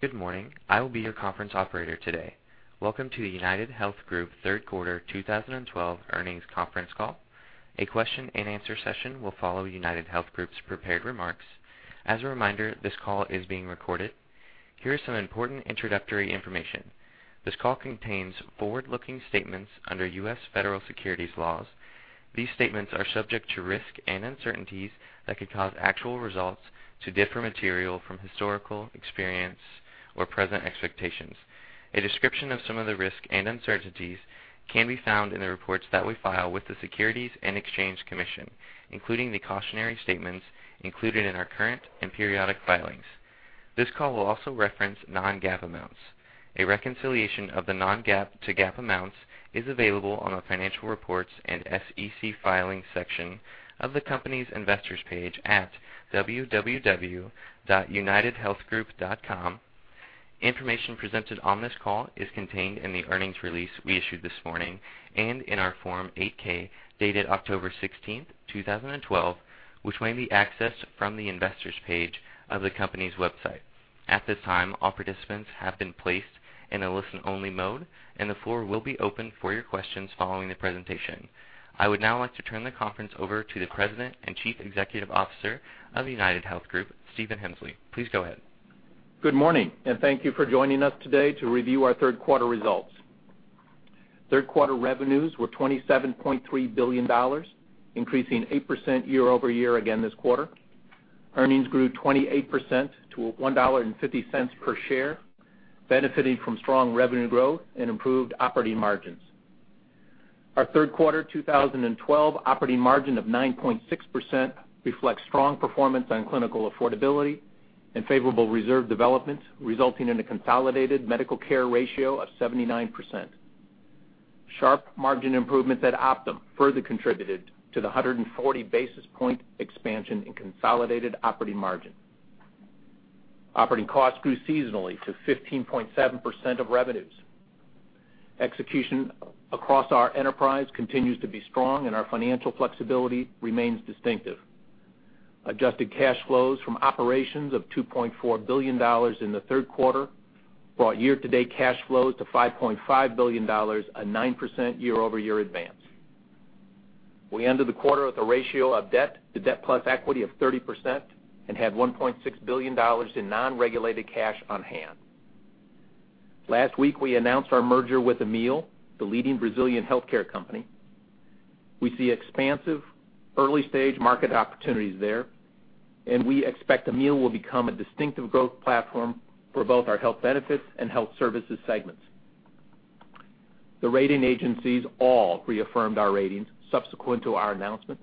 Good morning. I will be your conference operator today. Welcome to the UnitedHealth Group third quarter 2012 earnings conference call. A question and answer session will follow UnitedHealth Group's prepared remarks. As a reminder, this call is being recorded. Here is some important introductory information. This call contains forward-looking statements under U.S. federal securities laws. These statements are subject to risks and uncertainties that could cause actual results to differ material from historical experience or present expectations. A description of some of the risks and uncertainties can be found in the reports that we file with the Securities and Exchange Commission, including the cautionary statements included in our current and periodic filings. This call will also reference non-GAAP amounts. A reconciliation of the non-GAAP to GAAP amounts is available on the financial reports and SEC filings section of the company's investors page at www.unitedhealthgroup.com. Information presented on this call is contained in the earnings release we issued this morning and in our Form 8-K, dated October 16th, 2012, which may be accessed from the investors page of the company's website. At this time, all participants have been placed in a listen-only mode, and the floor will be open for your questions following the presentation. I would now like to turn the conference over to the President and Chief Executive Officer of UnitedHealth Group, Stephen Hemsley. Please go ahead. Good morning. Thank you for joining us today to review our third quarter results. Third-quarter revenues were $27.3 billion, increasing 8% year-over-year again this quarter. Earnings grew 28% to $1.50 per share, benefiting from strong revenue growth and improved operating margins. Our third quarter 2012 operating margin of 9.6% reflects strong performance on clinical affordability and favorable reserve developments, resulting in a consolidated medical care ratio of 79%. Sharp margin improvements at Optum further contributed to the 140-basis point expansion in consolidated operating margin. Operating costs grew seasonally to 15.7% of revenues. Execution across our enterprise continues to be strong, our financial flexibility remains distinctive. Adjusted cash flows from operations of $2.4 billion in the third quarter brought year-to-date cash flows to $5.5 billion, a 9% year-over-year advance. We ended the quarter with a ratio of debt to debt plus equity of 30% and had $1.6 billion in non-regulated cash on hand. Last week, we announced our merger with Amil, the leading Brazilian healthcare company. We see expansive early-stage market opportunities there, we expect Amil will become a distinctive growth platform for both our health benefits and health services segments. The rating agencies all reaffirmed our ratings subsequent to our announcement.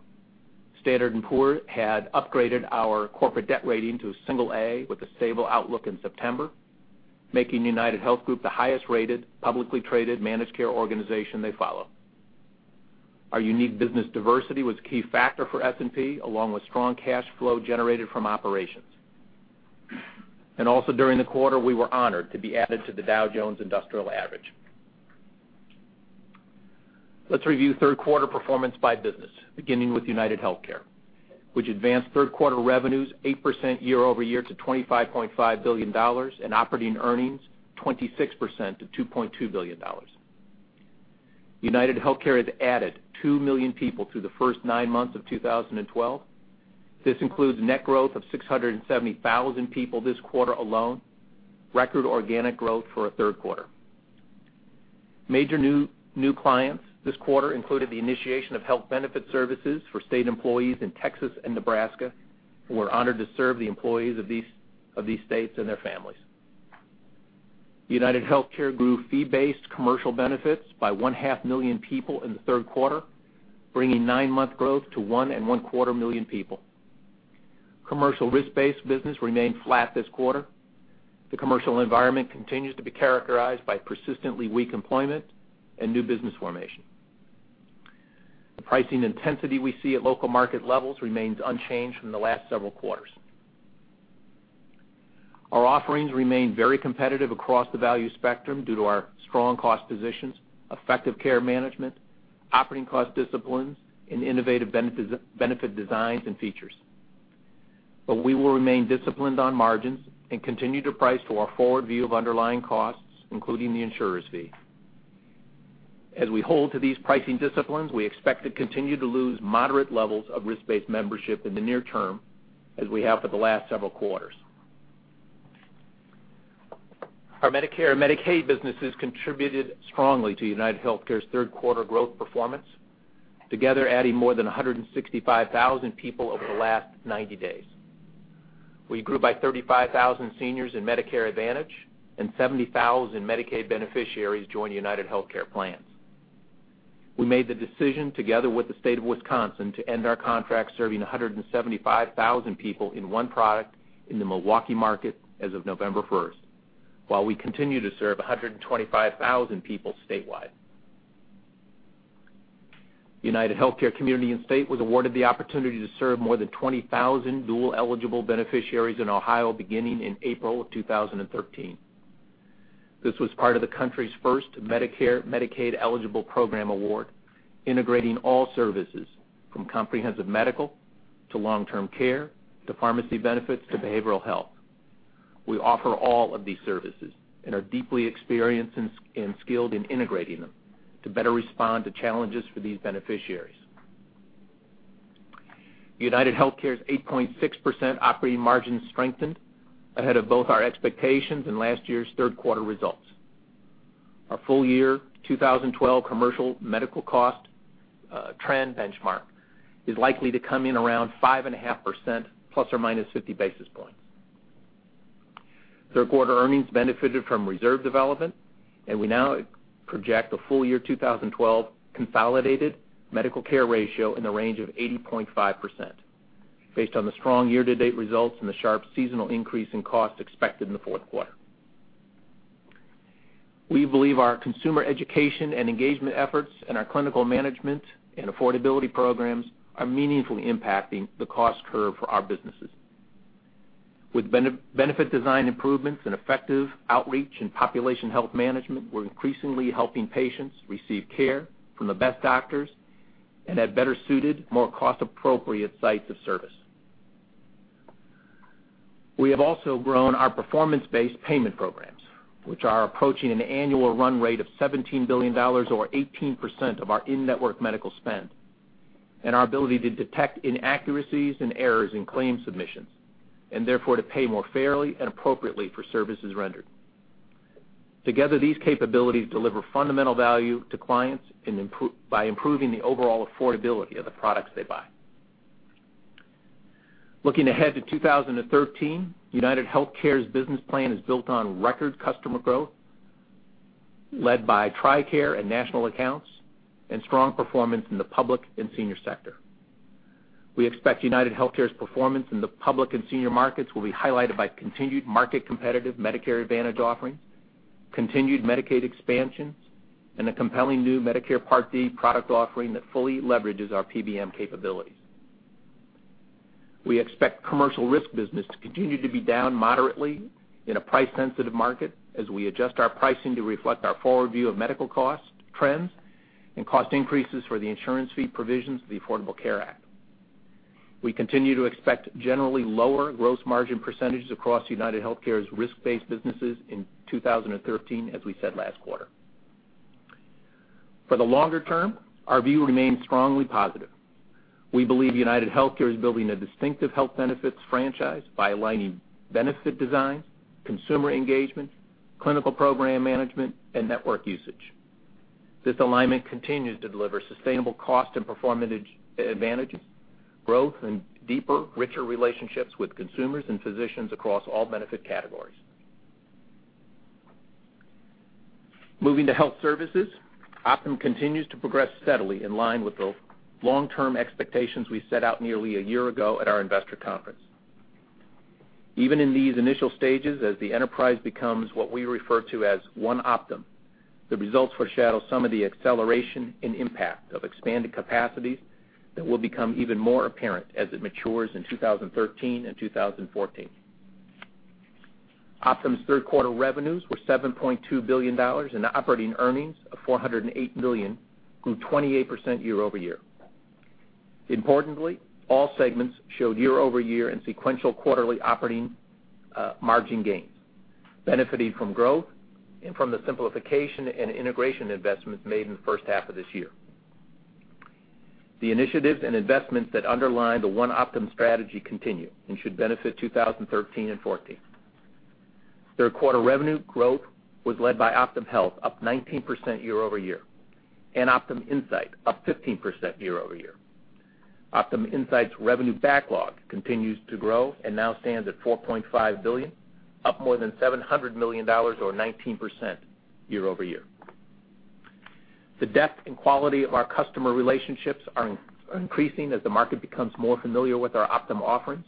Standard & Poor's had upgraded our corporate debt rating to a single A with a stable outlook in September, making UnitedHealth Group the highest-rated publicly traded managed care organization they follow. Our unique business diversity was a key factor for S&P, along with strong cash flow generated from operations. Also during the quarter, we were honored to be added to the Dow Jones Industrial Average. Let's review third quarter performance by business, beginning with UnitedHealthcare, which advanced third quarter revenues 8% year-over-year to $25.5 billion and operating earnings 26% to $2.2 billion. UnitedHealthcare has added two million people through the first nine months of 2012. This includes net growth of 670,000 people this quarter alone, record organic growth for a third quarter. Major new clients this quarter included the initiation of health benefits services for state employees in Texas and Nebraska. We're honored to serve the employees of these states and their families. UnitedHealthcare grew fee-based commercial benefits by one-half million people in the third quarter, bringing nine-month growth to one and one-quarter million people. Commercial risk-based business remained flat this quarter. The commercial environment continues to be characterized by persistently weak employment and new business formation. The pricing intensity we see at local market levels remains unchanged from the last several quarters. Our offerings remain very competitive across the value spectrum due to our strong cost positions, effective care management, operating cost disciplines, and innovative benefit designs and features. We will remain disciplined on margins and continue to price to our forward view of underlying costs, including the insurer's fee. As we hold to these pricing disciplines, we expect to continue to lose moderate levels of risk-based membership in the near term, as we have for the last several quarters. Our Medicare and Medicaid businesses contributed strongly to UnitedHealthcare's third quarter growth performance, together adding more than 165,000 people over the last 90 days. We grew by 35,000 seniors in Medicare Advantage and 70,000 Medicaid beneficiaries joined UnitedHealthcare plans. We made the decision together with the State of Wisconsin to end our contract serving 175,000 people in one product in the Milwaukee market as of November 1st. While we continue to serve 125,000 people statewide. UnitedHealthcare Community & State was awarded the opportunity to serve more than 20,000 dual-eligible beneficiaries in Ohio beginning in April of 2013. This was part of the country's first Medicare/Medicaid eligible program award, integrating all services from comprehensive medical to long-term care to pharmacy benefits to behavioral health. We offer all of these services and are deeply experienced and skilled in integrating them to better respond to challenges for these beneficiaries. UnitedHealthcare's 8.6% operating margin strengthened ahead of both our expectations and last year's third quarter results. Our full year 2012 commercial medical cost trend benchmark is likely to come in around 5.5%, ±50 basis points. Third quarter earnings benefited from reserve development. We now project a full year 2012 consolidated medical care ratio in the range of 80.5%, based on the strong year-to-date results and the sharp seasonal increase in costs expected in the fourth quarter. We believe our consumer education and engagement efforts and our clinical management and affordability programs are meaningfully impacting the cost curve for our businesses. With benefit design improvements and effective outreach in population health management, we're increasingly helping patients receive care from the best doctors and at better suited, more cost-appropriate sites of service. We have also grown our performance-based payment programs, which are approaching an annual run rate of $17 billion or 18% of our in-network medical spend. Our ability to detect inaccuracies and errors in claim submissions, and therefore to pay more fairly and appropriately for services rendered. Together, these capabilities deliver fundamental value to clients by improving the overall affordability of the products they buy. Looking ahead to 2013, UnitedHealthcare's business plan is built on record customer growth, led by TRICARE and national accounts, and strong performance in the public and senior sector. We expect UnitedHealthcare's performance in the public and senior markets will be highlighted by continued market competitive Medicare Advantage offerings, continued Medicaid expansions, and a compelling new Medicare Part D product offering that fully leverages our PBM capabilities. We expect commercial risk business to continue to be down moderately in a price-sensitive market as we adjust our pricing to reflect our forward view of medical cost trends and cost increases for the insurance fee provisions of the Affordable Care Act. We continue to expect generally lower gross margin percentages across UnitedHealthcare's risk-based businesses in 2013, as we said last quarter. For the longer term, our view remains strongly positive. We believe UnitedHealthcare is building a distinctive health benefits franchise by aligning benefit design, consumer engagement, clinical program management, and network usage. This alignment continues to deliver sustainable cost and performance advantages, growth, and deeper, richer relationships with consumers and physicians across all benefit categories. Moving to health services, Optum continues to progress steadily in line with the long-term expectations we set out nearly a year ago at our investor conference. Even in these initial stages, as the enterprise becomes what we refer to as Optum One, the results foreshadow some of the acceleration and impact of expanded capacity that will become even more apparent as it matures in 2013 and 2014. Optum's third quarter revenues were $7.2 billion, and operating earnings of $408 million grew 28% year-over-year. Importantly, all segments showed year-over-year and sequential quarterly operating margin gains, benefiting from growth and from the simplification and integration investments made in the first half of this year. The initiatives and investments that underline the Optum One strategy continue and should benefit 2013 and 2014. Third-quarter revenue growth was led by Optum Health, up 19% year-over-year, and Optum Insight, up 15% year-over-year. Optum Insight's revenue backlog continues to grow and now stands at $4.5 billion, up more than $700 million or 19% year-over-year. The depth and quality of our customer relationships are increasing as the market becomes more familiar with our Optum offerings.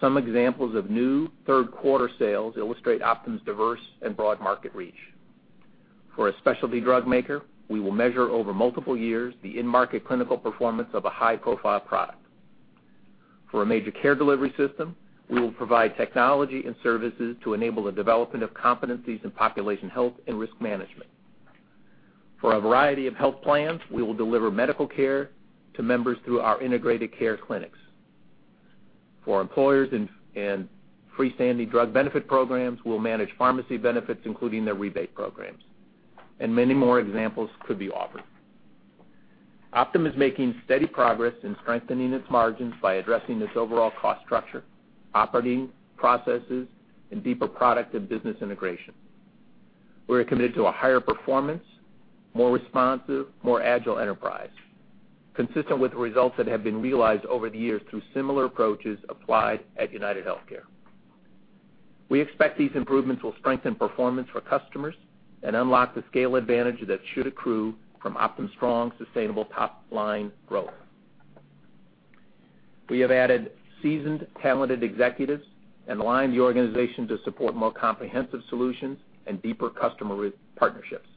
Some examples of new third-quarter sales illustrate Optum's diverse and broad market reach. For a specialty drug maker, we will measure over multiple years the in-market clinical performance of a high-profile product. For a major care delivery system, we will provide technology and services to enable the development of competencies in population health and risk management. For a variety of health plans, we will deliver medical care to members through our integrated care clinics. For employers and freestanding drug benefit programs, we'll manage pharmacy benefits, including their rebate programs. Many more examples could be offered. Optum is making steady progress in strengthening its margins by addressing its overall cost structure, operating processes, and deeper product and business integration. We're committed to a higher performance, more responsive, more agile enterprise, consistent with results that have been realized over the years through similar approaches applied at UnitedHealthcare. We expect these improvements will strengthen performance for customers and unlock the scale advantage that should accrue from Optum's strong, sustainable top-line growth. We have added seasoned, talented executives and aligned the organization to support more comprehensive solutions and deeper customer partnerships.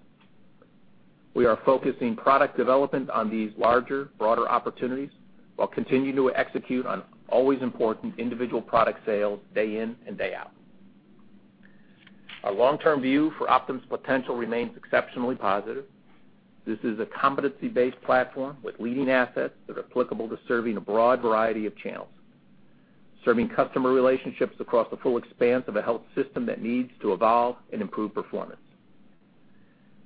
We are focusing product development on these larger, broader opportunities while continuing to execute on always important individual product sales day in and day out. Our long-term view for Optum's potential remains exceptionally positive. This is a competency-based platform with leading assets that are applicable to serving a broad variety of channels, serving customer relationships across the full expanse of a health system that needs to evolve and improve performance.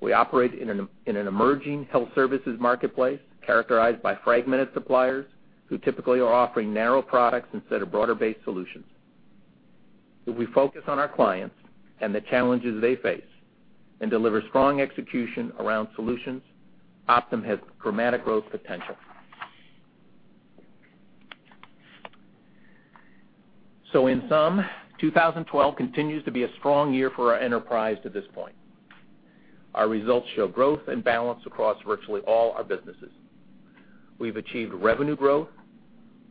We operate in an emerging health services marketplace characterized by fragmented suppliers who typically are offering narrow products instead of broader-based solutions. If we focus on our clients and the challenges they face and deliver strong execution around solutions, Optum has dramatic growth potential. In sum, 2012 continues to be a strong year for our enterprise to this point. Our results show growth and balance across virtually all our businesses. We've achieved revenue growth,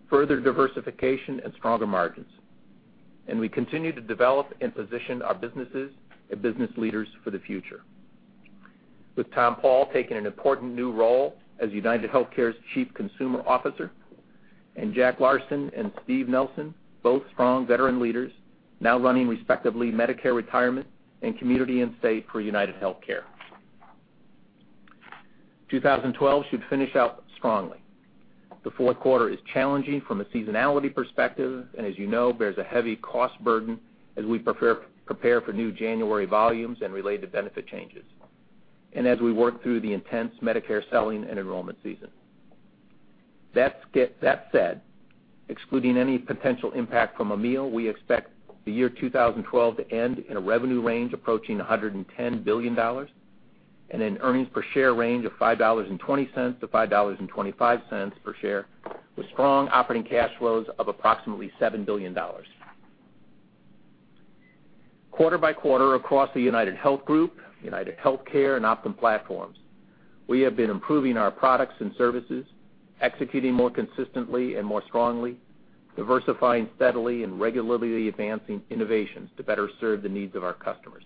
further diversification, and stronger margins. We continue to develop and position our businesses and business leaders for the future. With Tom Paul taking an important new role as UnitedHealthcare's Chief Consumer Officer, and Jack Larsen and Steve Nelson, both strong veteran leaders, now running respectively Medicare & Retirement and Community & State for UnitedHealthcare. 2012 should finish out strongly. The fourth quarter is challenging from a seasonality perspective, and as you know, bears a heavy cost burden as we prepare for new January volumes and related benefit changes, and as we work through the intense Medicare selling and enrollment season. That said, excluding any potential impact from Amil, we expect the year 2012 to end in a revenue range approaching $110 billion and an earnings per share range of $5.20 to $5.25 per share, with strong operating cash flows of approximately $7 billion. Quarter by quarter across the UnitedHealth Group, UnitedHealthcare, and Optum platforms, we have been improving our products and services, executing more consistently and more strongly, diversifying steadily, and regularly advancing innovations to better serve the needs of our customers.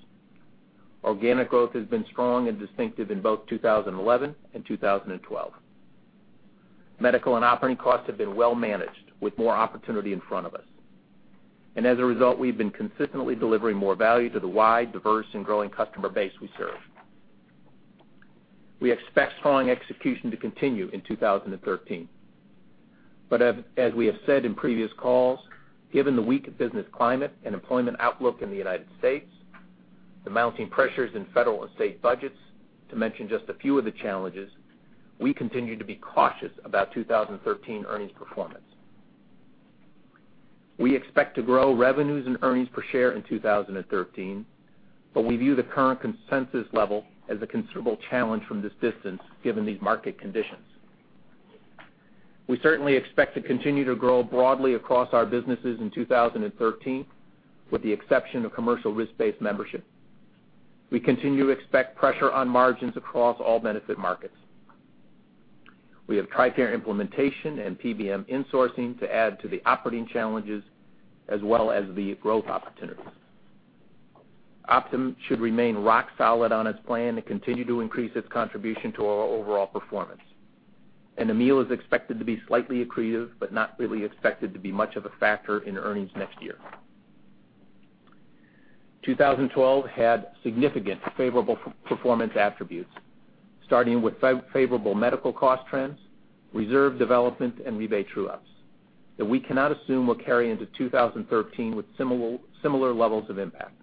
Organic growth has been strong and distinctive in both 2011 and 2012. Medical and operating costs have been well managed, with more opportunity in front of us. As a result, we've been consistently delivering more value to the wide, diverse, and growing customer base we serve. We expect strong execution to continue in 2013. As we have said in previous calls, given the weak business climate and employment outlook in the U.S., the mounting pressures in federal and state budgets, to mention just a few of the challenges, we continue to be cautious about 2013 earnings performance. We expect to grow revenues and earnings per share in 2013. We view the current consensus level as a considerable challenge from this distance given these market conditions. We certainly expect to continue to grow broadly across our businesses in 2013, with the exception of commercial risk-based membership. We continue to expect pressure on margins across all benefit markets. We have TRICARE implementation and PBM insourcing to add to the operating challenges as well as the growth opportunities. Optum should remain rock solid on its plan to continue to increase its contribution to our overall performance. Amil is expected to be slightly accretive but not really expected to be much of a factor in earnings next year. 2012 had significant favorable performance attributes, starting with favorable medical cost trends, reserve development, and rebate true-ups that we cannot assume will carry into 2013 with similar levels of impact.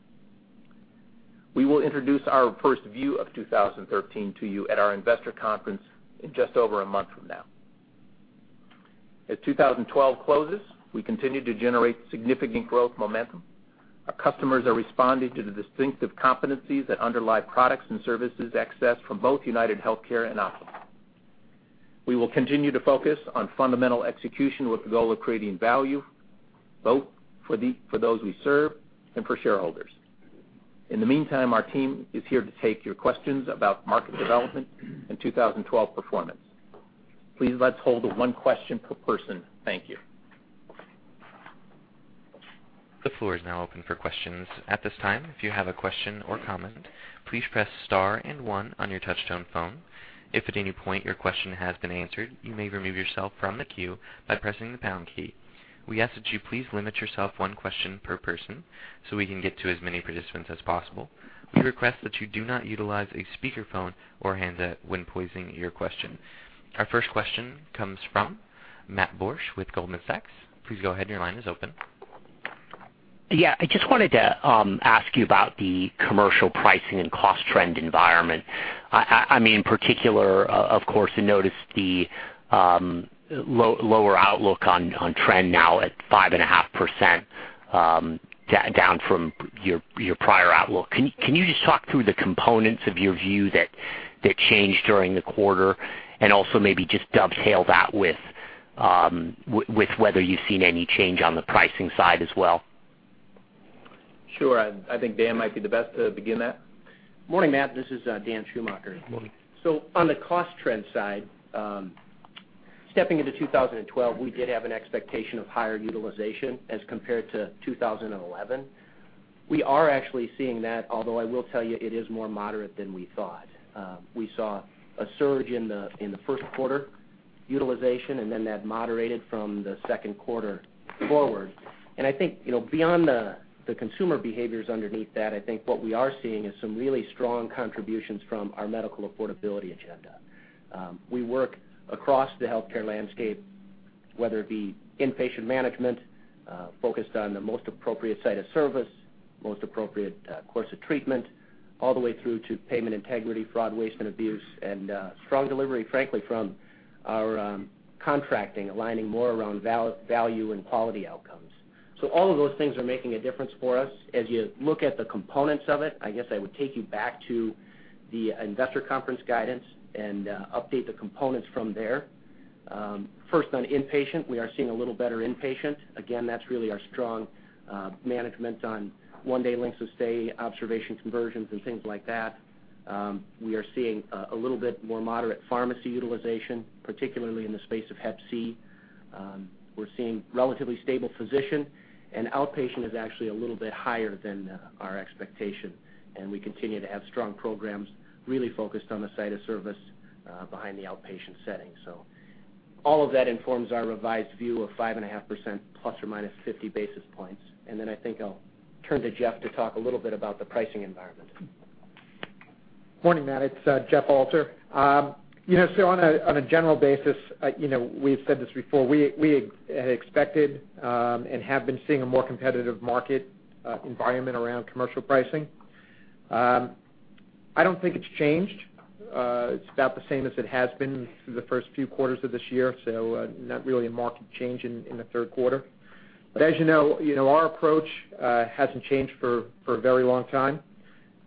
We will introduce our first view of 2013 to you at our investor conference in just over a month from now. As 2012 closes, we continue to generate significant growth momentum. Our customers are responding to the distinctive competencies that underlie products and services accessed from both UnitedHealthcare and Optum. We will continue to focus on fundamental execution with the goal of creating value, both for those we serve and for shareholders. In the meantime, our team is here to take your questions about market development and 2012 performance. Please, let's hold it one question per person. Thank you. The floor is now open for questions. At this time, if you have a question or comment, please press star and one on your touch-tone phone. If at any point your question has been answered, you may remove yourself from the queue by pressing the pound key. We ask that you please limit yourself one question per person so we can get to as many participants as possible. We request that you do not utilize a speakerphone or handset when posing your question. Our first question comes from Matthew Borsch with Goldman Sachs. Please go ahead, and your line is open. I just wanted to ask you about the commercial pricing and cost trend environment. In particular, of course, I noticed the lower outlook on trend now at 5.5%, down from your prior outlook. Can you just talk through the components of your view that changed during the quarter? Also maybe just dovetail that with whether you've seen any change on the pricing side as well? Sure. I think Dan might be the best to begin that. Morning, Matt. This is Daniel Schumacher. On the cost trend side Stepping into 2012, we did have an expectation of higher utilization as compared to 2011. We are actually seeing that, although I will tell you it is more moderate than we thought. We saw a surge in the first quarter utilization, then that moderated from the second quarter forward. I think, beyond the consumer behaviors underneath that, I think what we are seeing is some really strong contributions from our medical affordability agenda. We work across the healthcare landscape, whether it be inpatient management, focused on the most appropriate site of service, most appropriate course of treatment, all the way through to payment integrity, fraud, waste, and abuse, strong delivery, frankly, from our contracting, aligning more around value and quality outcomes. All of those things are making a difference for us. As you look at the components of it, I guess I would take you back to the investor conference guidance and update the components from there. First, on inpatient, we are seeing a little better inpatient. Again, that's really our strong management on one-day lengths of stay, observation conversions, and things like that. We are seeing a little bit more moderate pharmacy utilization, particularly in the space of Hep C. We're seeing relatively stable physician, outpatient is actually a little bit higher than our expectation, and we continue to have strong programs really focused on the site of service behind the outpatient setting. All of that informs our revised view of 5.5% plus or minus 50 basis points. I think I'll turn to Jeff to talk a little bit about the pricing environment. Morning, Matt. It's Jeff Alter. On a general basis, we've said this before, we had expected and have been seeing a more competitive market environment around commercial pricing. I don't think it's changed. It's about the same as it has been through the first few quarters of this year, so not really a marked change in the third quarter. As you know, our approach hasn't changed for a very long time.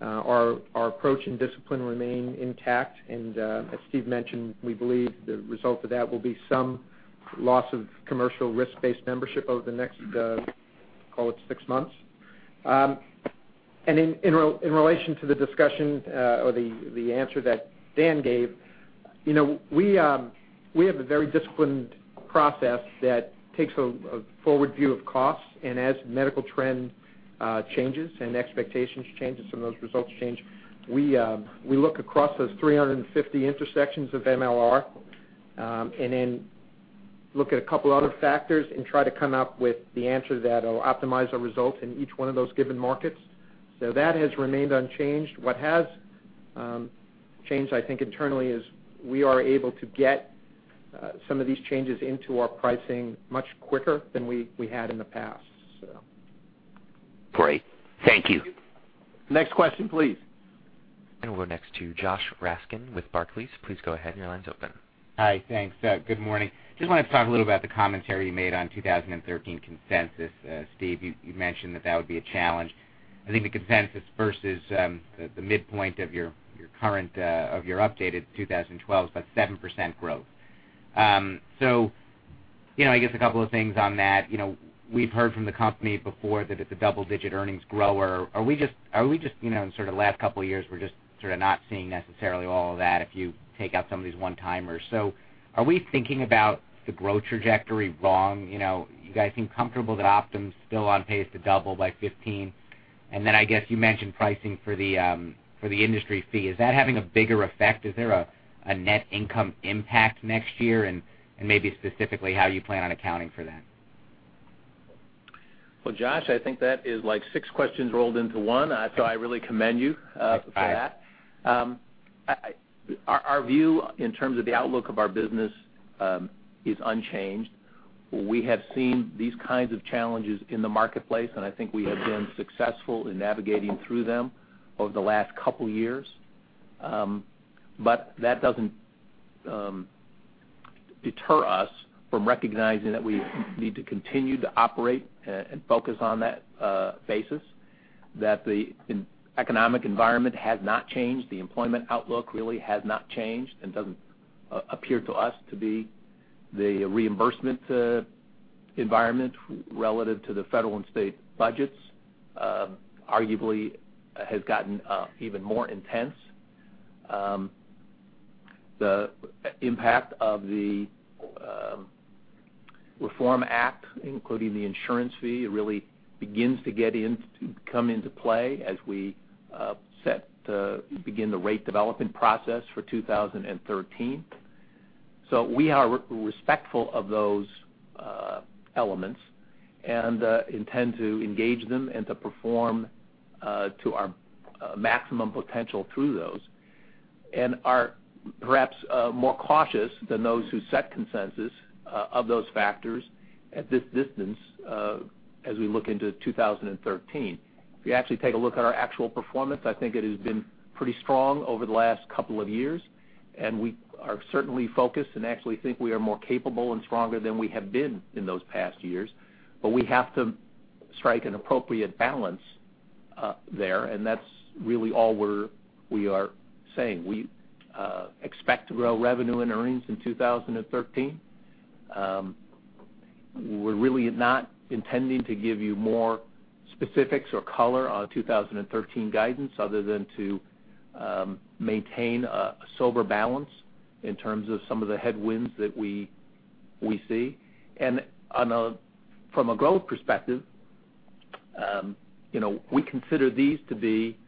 Our approach and discipline remain intact. As Steve mentioned, we believe the result of that will be some loss of commercial risk-based membership over the next, call it six months. In relation to the discussion, or the answer that Dan gave, we have a very disciplined process that takes a forward view of costs. As medical trend changes and expectations change and some of those results change, we look across those 350 intersections of MLR, and then look at a couple other factors and try to come up with the answer that'll optimize our results in each one of those given markets. That has remained unchanged. What has changed, I think, internally is we are able to get some of these changes into our pricing much quicker than we had in the past. Great. Thank you. Next question, please. We'll go next to Joshua Raskin with Barclays. Please go ahead, and your line's open. Hi, thanks. Good morning. Wanted to talk a little about the commentary you made on 2013 consensus. Stephen, you mentioned that would be a challenge. I think the consensus versus the midpoint of your updated 2012 is about 7% growth. I guess a couple of things on that. We've heard from the company before that it's a double-digit earnings grower. Are we just, in the last couple of years, we're just not seeing necessarily all of that if you take out some of these one-timers. Are we thinking about the growth trajectory wrong? You guys seem comfortable that Optum's still on pace to double by 2015. I guess you mentioned pricing for the industry fee. Is that having a bigger effect? Is there a net income impact next year? Maybe specifically, how you plan on accounting for that? Well, Josh, I think that is like 6 questions rolled into one. I really commend you for that. Our view in terms of the outlook of our business is unchanged. We have seen these kinds of challenges in the marketplace, and I think we have been successful in navigating through them over the last couple of years. That doesn't deter us from recognizing that we need to continue to operate and focus on that basis, that the economic environment has not changed. The employment outlook really has not changed and doesn't appear to us to be the reimbursement environment relative to the federal and state budgets, arguably, has gotten even more intense. The impact of the Reform Act, including the insurance fee, really begins to come into play as we begin the rate development process for 2013. We are respectful of those elements and intend to engage them and to perform to our maximum potential through those, and are perhaps more cautious than those who set consensus of those factors at this distance as we look into 2013. If you actually take a look at our actual performance, I think it has been pretty strong over the last couple of years, and we are certainly focused and actually think we are more capable and stronger than we have been in those past years. We have to strike an appropriate balance there, and that's really all we are saying. We expect to grow revenue and earnings in 2013. We're really not intending to give you more specifics or color on 2013 guidance other than to maintain a sober balance in terms of some of the headwinds that we see. From a growth perspective, we consider these to be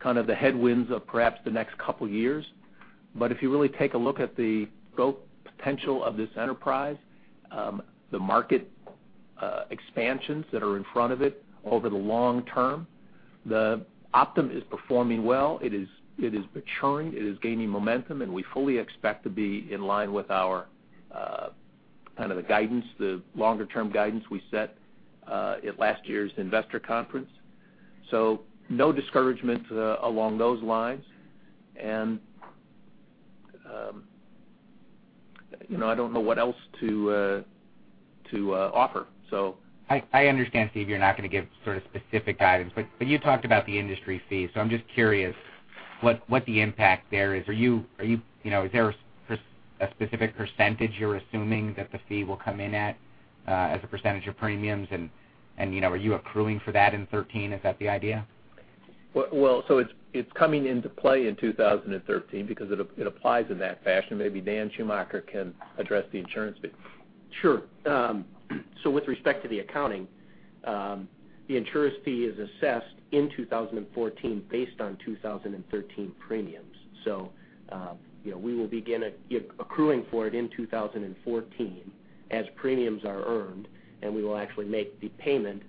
kind of the headwinds of perhaps the next couple of years. If you really take a look at the growth potential of this enterprise, the market expansions that are in front of it over the long term, Optum is performing well. It is maturing, it is gaining momentum, we fully expect to be in line with our kind of the guidance, the longer-term guidance we set at last year's investor conference. No discouragement along those lines. I don't know what else to offer. I understand, Steve, you're not going to give sort of specific guidance, but you talked about the industry fee. I'm just curious what the impact there is. Is there a specific percentage you're assuming that the fee will come in at as a percentage of premiums, and are you accruing for that in 2013? Is that the idea? It's coming into play in 2013 because it applies in that fashion. Maybe Daniel Schumacher can address the insurance fee. Sure. With respect to the accounting, the insurance fee is assessed in 2014 based on 2013 premiums. We will begin accruing for it in 2014 as premiums are earned, and we will actually make the payment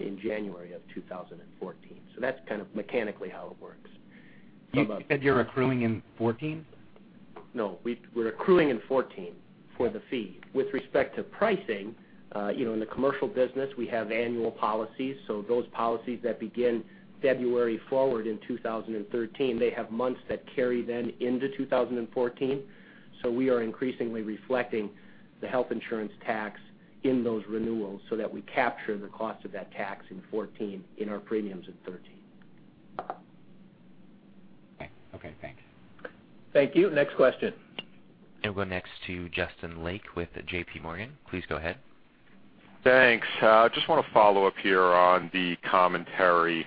in January of 2014. That's kind of mechanically how it works from a- You said you're accruing in 2014? No. We're accruing in 2014 for the fee. With respect to pricing, in the commercial business, we have annual policies. Those policies that begin February forward in 2013, they have months that carry then into 2014. We are increasingly reflecting the health insurance tax in those renewals so that we capture the cost of that tax in 2014 in our premiums in 2013. Okay. Thanks. Thank you. Next question. We'll go next to Justin Lake with J.P. Morgan. Please go ahead. Thanks. I just want to follow up here on the commentary,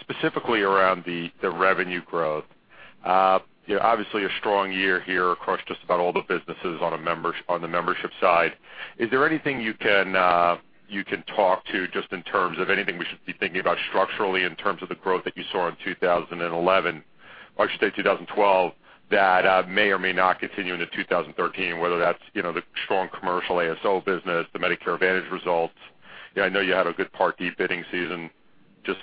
specifically around the revenue growth. Obviously a strong year here across just about all the businesses on the membership side. Is there anything you can talk to just in terms of anything we should be thinking about structurally in terms of the growth that you saw in 2011, or I should say 2012, that may or may not continue into 2013, whether that's the strong commercial ASO business, the Medicare Advantage results? I know you had a good Part D bidding season. Just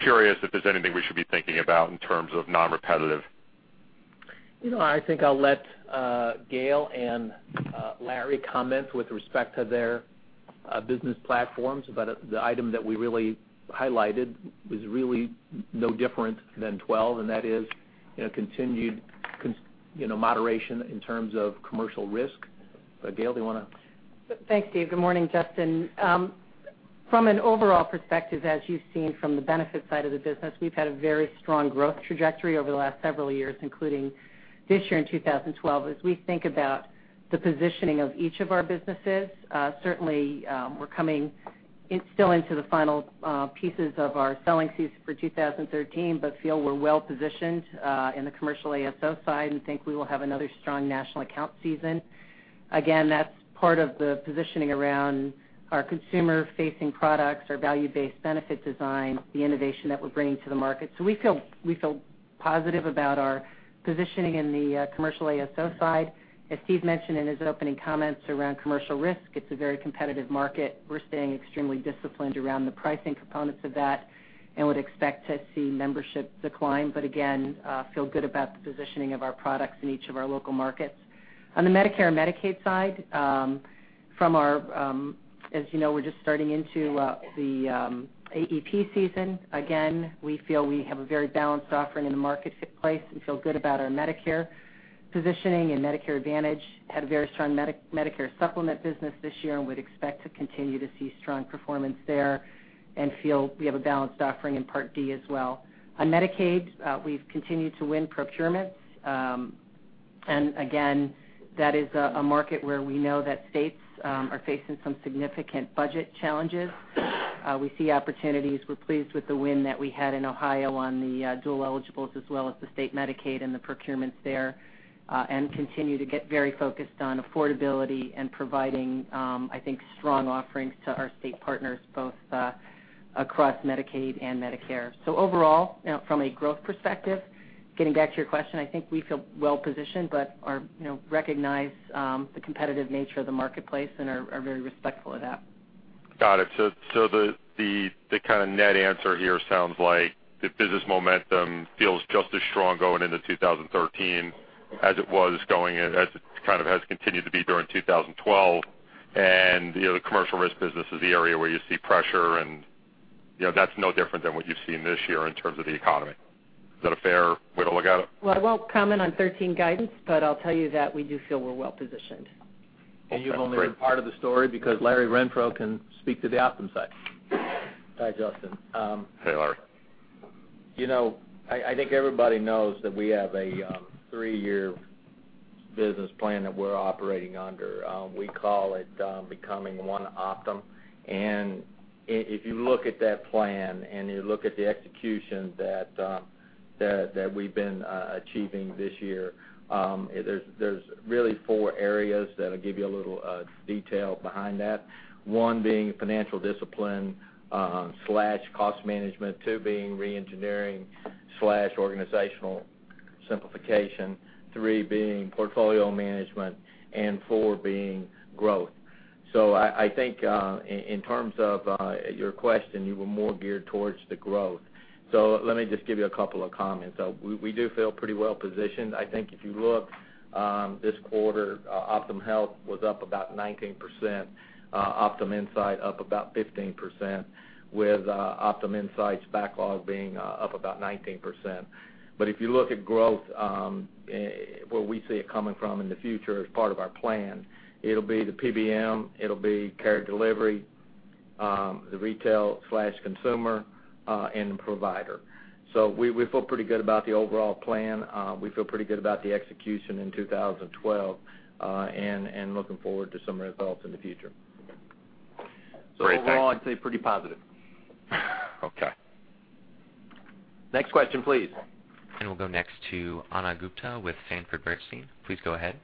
curious if there's anything we should be thinking about in terms of non-repetitive. I think I'll let Gail and Larry comment with respect to their business platforms. The item that we really highlighted was really no different than 2012, and that is continued moderation in terms of commercial risk. Gail, do you want to? Thanks, Steve. Good morning, Justin. From an overall perspective, as you've seen from the benefit side of the business, we've had a very strong growth trajectory over the last several years, including this year in 2012. As we think about the positioning of each of our businesses, certainly, we're coming still into the final pieces of our selling season for 2013, but feel we're well-positioned in the commercial ASO side and think we will have another strong national account season. Again, that's part of the positioning around our consumer-facing products, our value-based benefit design, the innovation that we're bringing to the market. We feel positive about our positioning in the commercial ASO side. As Steve mentioned in his opening comments around commercial risk, it's a very competitive market. We're staying extremely disciplined around the pricing components of that and would expect to see membership decline, but again, feel good about the positioning of our products in each of our local markets. On the Medicare and Medicaid side, as you know, we're just starting into the AEP season. Again, we feel we have a very balanced offering in the marketplace. We feel good about our Medicare positioning and Medicare Advantage. Had a very strong Medicare supplement business this year, and would expect to continue to see strong performance there and feel we have a balanced offering in Part D as well. On Medicaid, we've continued to win procurements, and again, that is a market where we know that states are facing some significant budget challenges. We see opportunities. We're pleased with the win that we had in Ohio on the dual eligibles as well as the state Medicaid and the procurements there, and continue to get very focused on affordability and providing, I think, strong offerings to our state partners both across Medicaid and Medicare. Overall, from a growth perspective, getting back to your question, I think we feel well-positioned, but recognize the competitive nature of the marketplace and are very respectful of that. Got it. The kind of net answer here sounds like the business momentum feels just as strong going into 2013 as it was going in, as it kind of has continued to be during 2012. The commercial risk business is the area where you see pressure, and that's no different than what you've seen this year in terms of the economy. Is that a fair way to look at it? Well, I won't comment on 2013 guidance, I'll tell you that we do feel we're well-positioned. Okay, great. You've only heard part of the story because Larry Renfro can speak to the Optum side. Hi, Justin. Hey, Larry. I think everybody knows that we have a three-year business plan that we're operating under. We call it Becoming One Optum. If you look at that plan and you look at the execution that we've been achieving this year, there's really four areas that I'll give you a little detail behind that. One being financial discipline/cost management, two being re-engineering/organizational simplification, three being portfolio management, and four being growth. I think in terms of your question, you were more geared towards the growth. Let me just give you a couple of comments. We do feel pretty well positioned. I think if you look this quarter, Optum Health was up about 19%, Optum Insight up about 15%, with Optum Insight's backlog being up about 19%. If you look at growth, where we see it coming from in the future as part of our plan, it'll be the PBM, it'll be care delivery, the retail/consumer, and the provider. We feel pretty good about the overall plan. We feel pretty good about the execution in 2012, and looking forward to some results in the future. Great, thanks. Overall, I'd say pretty positive. Okay. Next question, please. We'll go next to Ana Gupte with Sanford C. Bernstein. Please go ahead.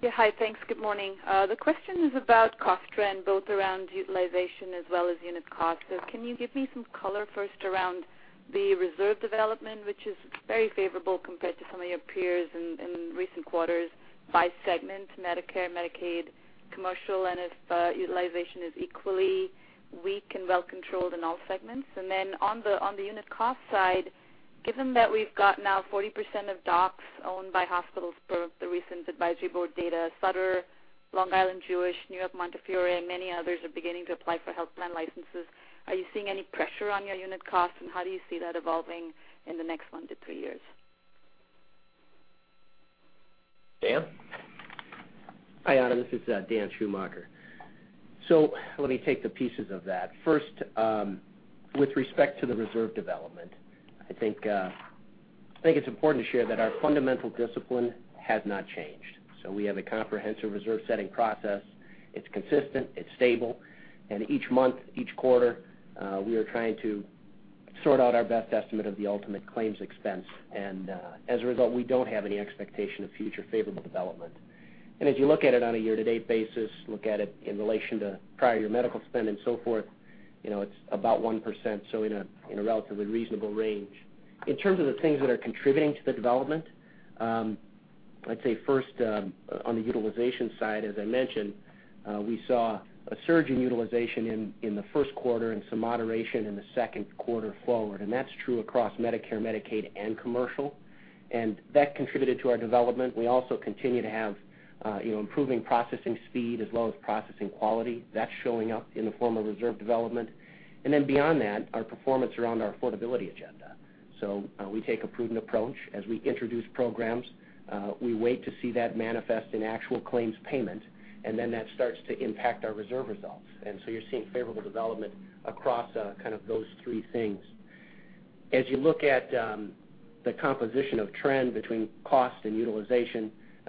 Yeah, hi. Thanks. Good morning. The question is about cost trend, both around utilization as well as unit cost. Can you give me some color first around the reserve development, which is very favorable compared to some of your peers in recent quarters by segment, Medicare, Medicaid, commercial, and if utilization is equally weak and well controlled in all segments? Then on the unit cost side, given that we've got now 40% of docs owned by hospitals, per the recent Advisory Board data, Sutter, Long Island Jewish, New York, Montefiore, and many others are beginning to apply for health plan licenses, are you seeing any pressure on your unit costs, and how do you see that evolving in the next one to three years? Dan? Hi, Ana. This is Daniel Schumacher. Let me take the pieces of that. First, with respect to the reserve development, I think it's important to share that our fundamental discipline has not changed. We have a comprehensive reserve setting process. It's consistent, it's stable, and each month, each quarter, we are trying to sort out our best estimate of the ultimate claims expense. As a result, we don't have any expectation of future favorable development. If you look at it on a year-to-date basis, look at it in relation to prior year medical spend and so forth, it's about 1%, in a relatively reasonable range. In terms of the things that are contributing to the development, I'd say first on the utilization side, as I mentioned, we saw a surge in utilization in the first quarter and some moderation in the second quarter forward, and that's true across Medicare, Medicaid, and commercial. That contributed to our development. We also continue to have improving processing speed as well as processing quality. That's showing up in the form of reserve development. Beyond that, our performance around our affordability agenda. We take a prudent approach as we introduce programs. We wait to see that manifest in actual claims payment, and then that starts to impact our reserve results. You're seeing favorable development across those three things. As you look at the composition of trend between cost and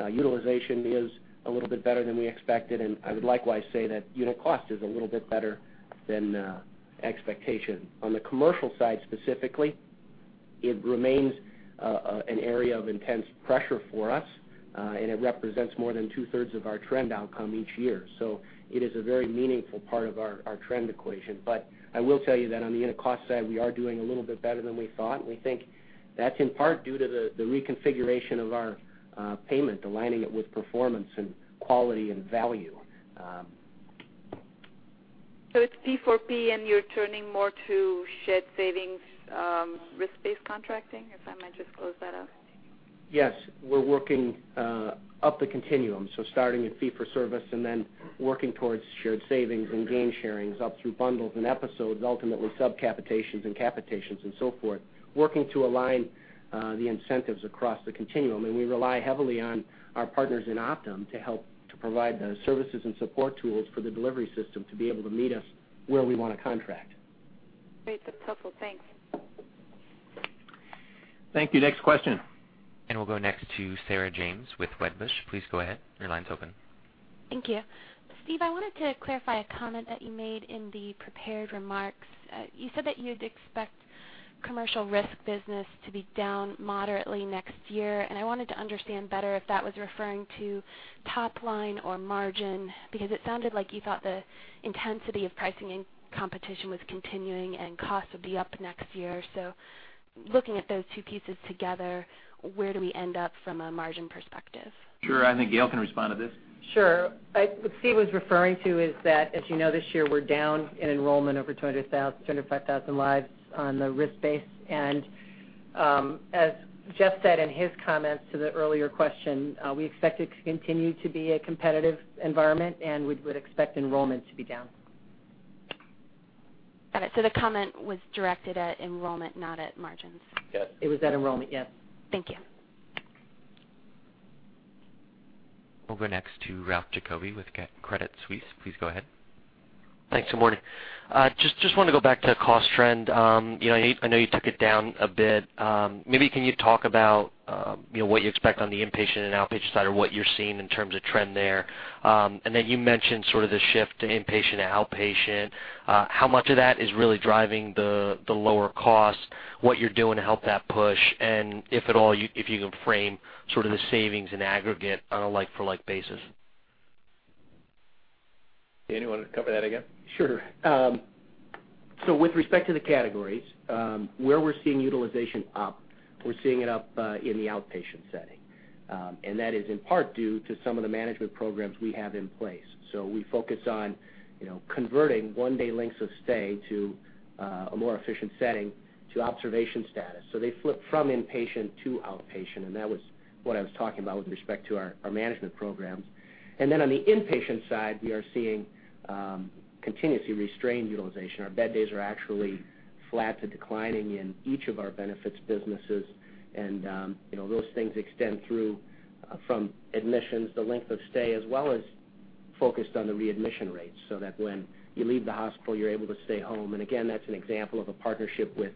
utilization is a little bit better than we expected, and I would likewise say that unit cost is a little bit better than expectation. On the commercial side specifically, it remains an area of intense pressure for us, and it represents more than two-thirds of our trend outcome each year. It is a very meaningful part of our trend equation. I will tell you that on the unit cost side, we are doing a little bit better than we thought, and we think that's in part due to the reconfiguration of our payment, aligning it with performance and quality and value. It's P4P, you're turning more to shared savings, risk-based contracting, if I might just close that out? Yes, we're working up the continuum, starting at fee for service working towards shared savings and gain sharings up through bundles and episodes, ultimately sub-capitations and capitations and so forth, working to align the incentives across the continuum. We rely heavily on our partners in Optum to help to provide the services and support tools for the delivery system to be able to meet us where we want to contract. Great. That's helpful. Thanks. Thank you. Next question. We'll go next to Sarah James with Wedbush. Please go ahead. Your line's open. Thank you. Steve, I wanted to clarify a comment that you made in the prepared remarks. You said that you'd expect commercial risk business to be down moderately next year, I wanted to understand better if that was referring to top line or margin, because it sounded like you thought the intensity of pricing and competition was continuing and costs would be up next year. Looking at those two pieces together, where do we end up from a margin perspective? Sure. I think Gail can respond to this. Sure. What Steve was referring to is that, as you know, this year we're down in enrollment over 205,000 lives on the risk base. As Jeff said in his comments to the earlier question, we expect it to continue to be a competitive environment, and we would expect enrollment to be down. Got it. The comment was directed at enrollment, not at margins. Yes. It was at enrollment, yes. Thank you. We'll go next to Ralph Giacobbe with Credit Suisse. Please go ahead. Thanks. Good morning. Just want to go back to cost trend. I know you took it down a bit. Maybe can you talk about what you expect on the inpatient and outpatient side, or what you're seeing in terms of trend there? You mentioned sort of the shift to inpatient to outpatient. How much of that is really driving the lower cost, what you're doing to help that push, and if at all, if you can frame sort of the savings in aggregate on a like-for-like basis? Dan, you want to cover that again? Sure. With respect to the categories, where we're seeing utilization up, we're seeing it up in the outpatient setting. That is in part due to some of the management programs we have in place. We focus on converting one-day lengths of stay to a more efficient setting to observation status. They flip from inpatient to outpatient, and that was what I was talking about with respect to our management programs. On the inpatient side, we are seeing continuously restrained utilization. Our bed days are actually flat to declining in each of our benefits businesses. Those things extend through from admissions, the length of stay, as well as focused on the readmission rates, so that when you leave the hospital, you're able to stay home. That's an example of a partnership with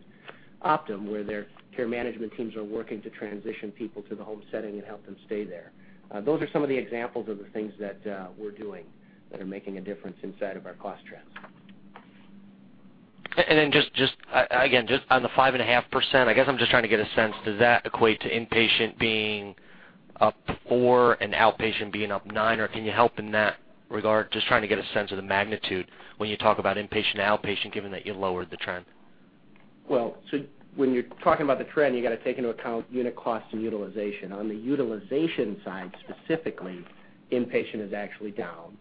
Optum, where their care management teams are working to transition people to the home setting and help them stay there. Those are some of the examples of the things that we're doing that are making a difference inside of our cost trends. Again, just on the 5.5%, I guess I'm just trying to get a sense. Does that equate to inpatient being up four and outpatient being up nine, or can you help in that regard? Just trying to get a sense of the magnitude when you talk about inpatient, outpatient, given that you lowered the trend. Well, when you're talking about the trend, you got to take into account unit cost and utilization. On the utilization side, specifically, inpatient is actually down.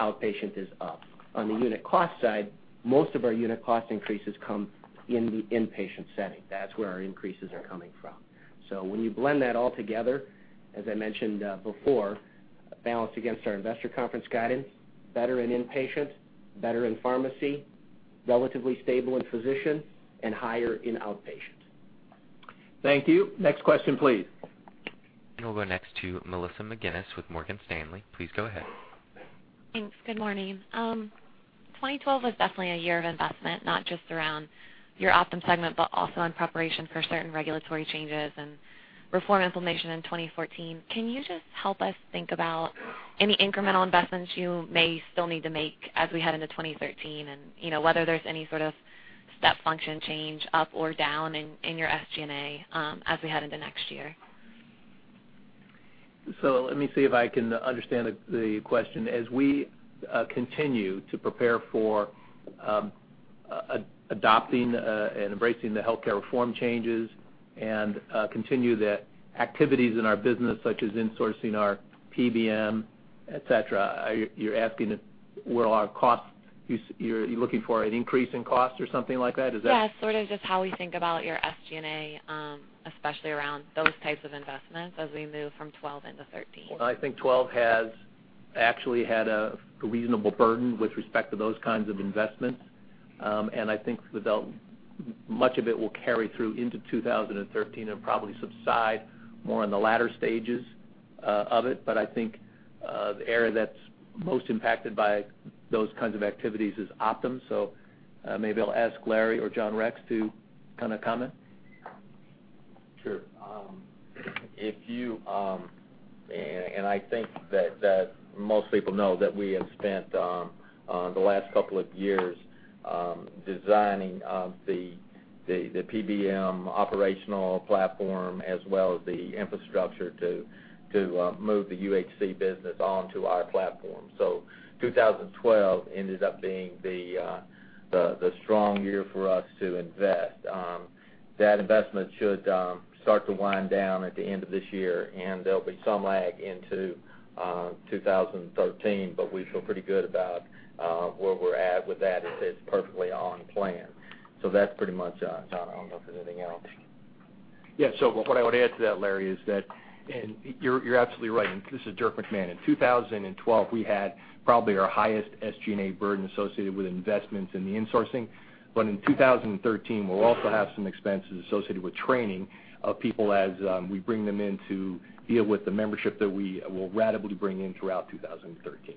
Outpatient is up. On the unit cost side, most of our unit cost increases come in the inpatient setting. That's where our increases are coming from. When you blend that all together, as I mentioned before, balanced against our investor conference guidance, better in inpatient, better in pharmacy, relatively stable in physician, and higher in outpatient. Thank you. Next question, please. We'll go next to Melissa McGinnis with Morgan Stanley. Please go ahead. Thanks. Good morning. 2012 was definitely a year of investment, not just around your Optum segment, but also in preparation for certain regulatory changes and reform implementation in 2014. Can you just help us think about any incremental investments you may still need to make as we head into 2013, and whether there's any sort of step function change up or down in your SG&A as we head into next year? Let me see if I can understand the question. As we continue to prepare for adopting and embracing the healthcare reform changes and continue the activities in our business, such as insourcing our PBM, et cetera, you're asking, you're looking for an increase in cost or something like that? Is that? Yeah, sort of just how we think about your SG&A, especially around those types of investments as we move from 2012 into 2013. I think 2012 has actually had a reasonable burden with respect to those kinds of investments. I think much of it will carry through into 2013 and probably subside more in the latter stages of it. I think the area that's most impacted by those kinds of activities is Optum. Maybe I'll ask Larry or John Rex to comment. Sure. I think that most people know that we have spent the last couple of years designing the PBM operational platform as well as the infrastructure to move the UnitedHealthcare business onto our platform. 2012 ended up being the strong year for us to invest. That investment should start to wind down at the end of this year. There'll be some lag into 2013, but we feel pretty good about where we're at with that. It's perfectly on plan. That's pretty much it, John. I don't know if there's anything else. Yeah. What I would add to that, Larry, is that. You're absolutely right, and this is Dirk McMahon. In 2012, we had probably our highest SG&A burden associated with investments in the insourcing. In 2013, we'll also have some expenses associated with training of people as we bring them in to deal with the membership that we will ratably bring in throughout 2013.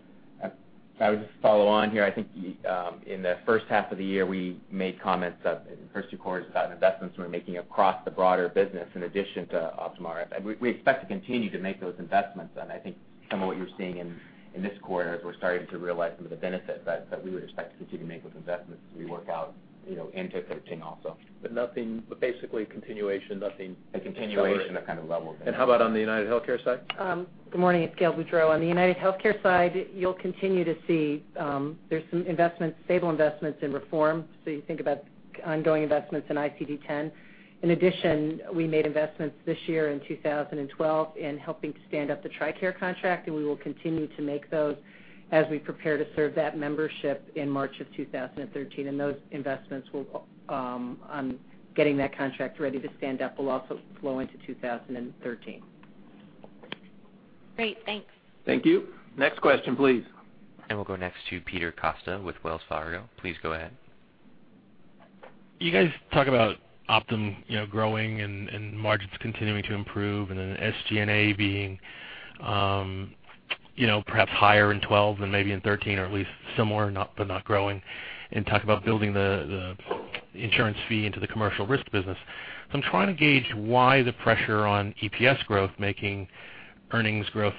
If I could just follow on here. I think in the first half of the year, we made comments in the first two quarters about investments we were making across the broader business in addition to OptumRx. We expect to continue to make those investments. I think some of what you're seeing in this quarter is we're starting to realize some of the benefits that we would expect to continue to make those investments as we work out into 2013 also. Basically a continuation, nothing to accelerate. A continuation of kind of the level of investment. How about on the UnitedHealthcare side? Good morning. It's Gail Boudreaux. On the UnitedHealthcare side, you'll continue to see there's some stable investments in reform, so you think about ongoing investments in ICD-10. In addition, we made investments this year in 2012 in helping to stand up the TRICARE contract, and we will continue to make those as we prepare to serve that membership in March of 2013. Those investments on getting that contract ready to stand up will also flow into 2013. Great. Thanks. Thank you. Next question, please. We'll go next to Peter Costa with Wells Fargo. Please go ahead. You guys talk about Optum growing and margins continuing to improve, and then SG&A being perhaps higher in 2012 than maybe in 2013, or at least similar, but not growing, and talk about building the insurance fee into the commercial risk business. I'm trying to gauge why the pressure on EPS growth, making earnings growth,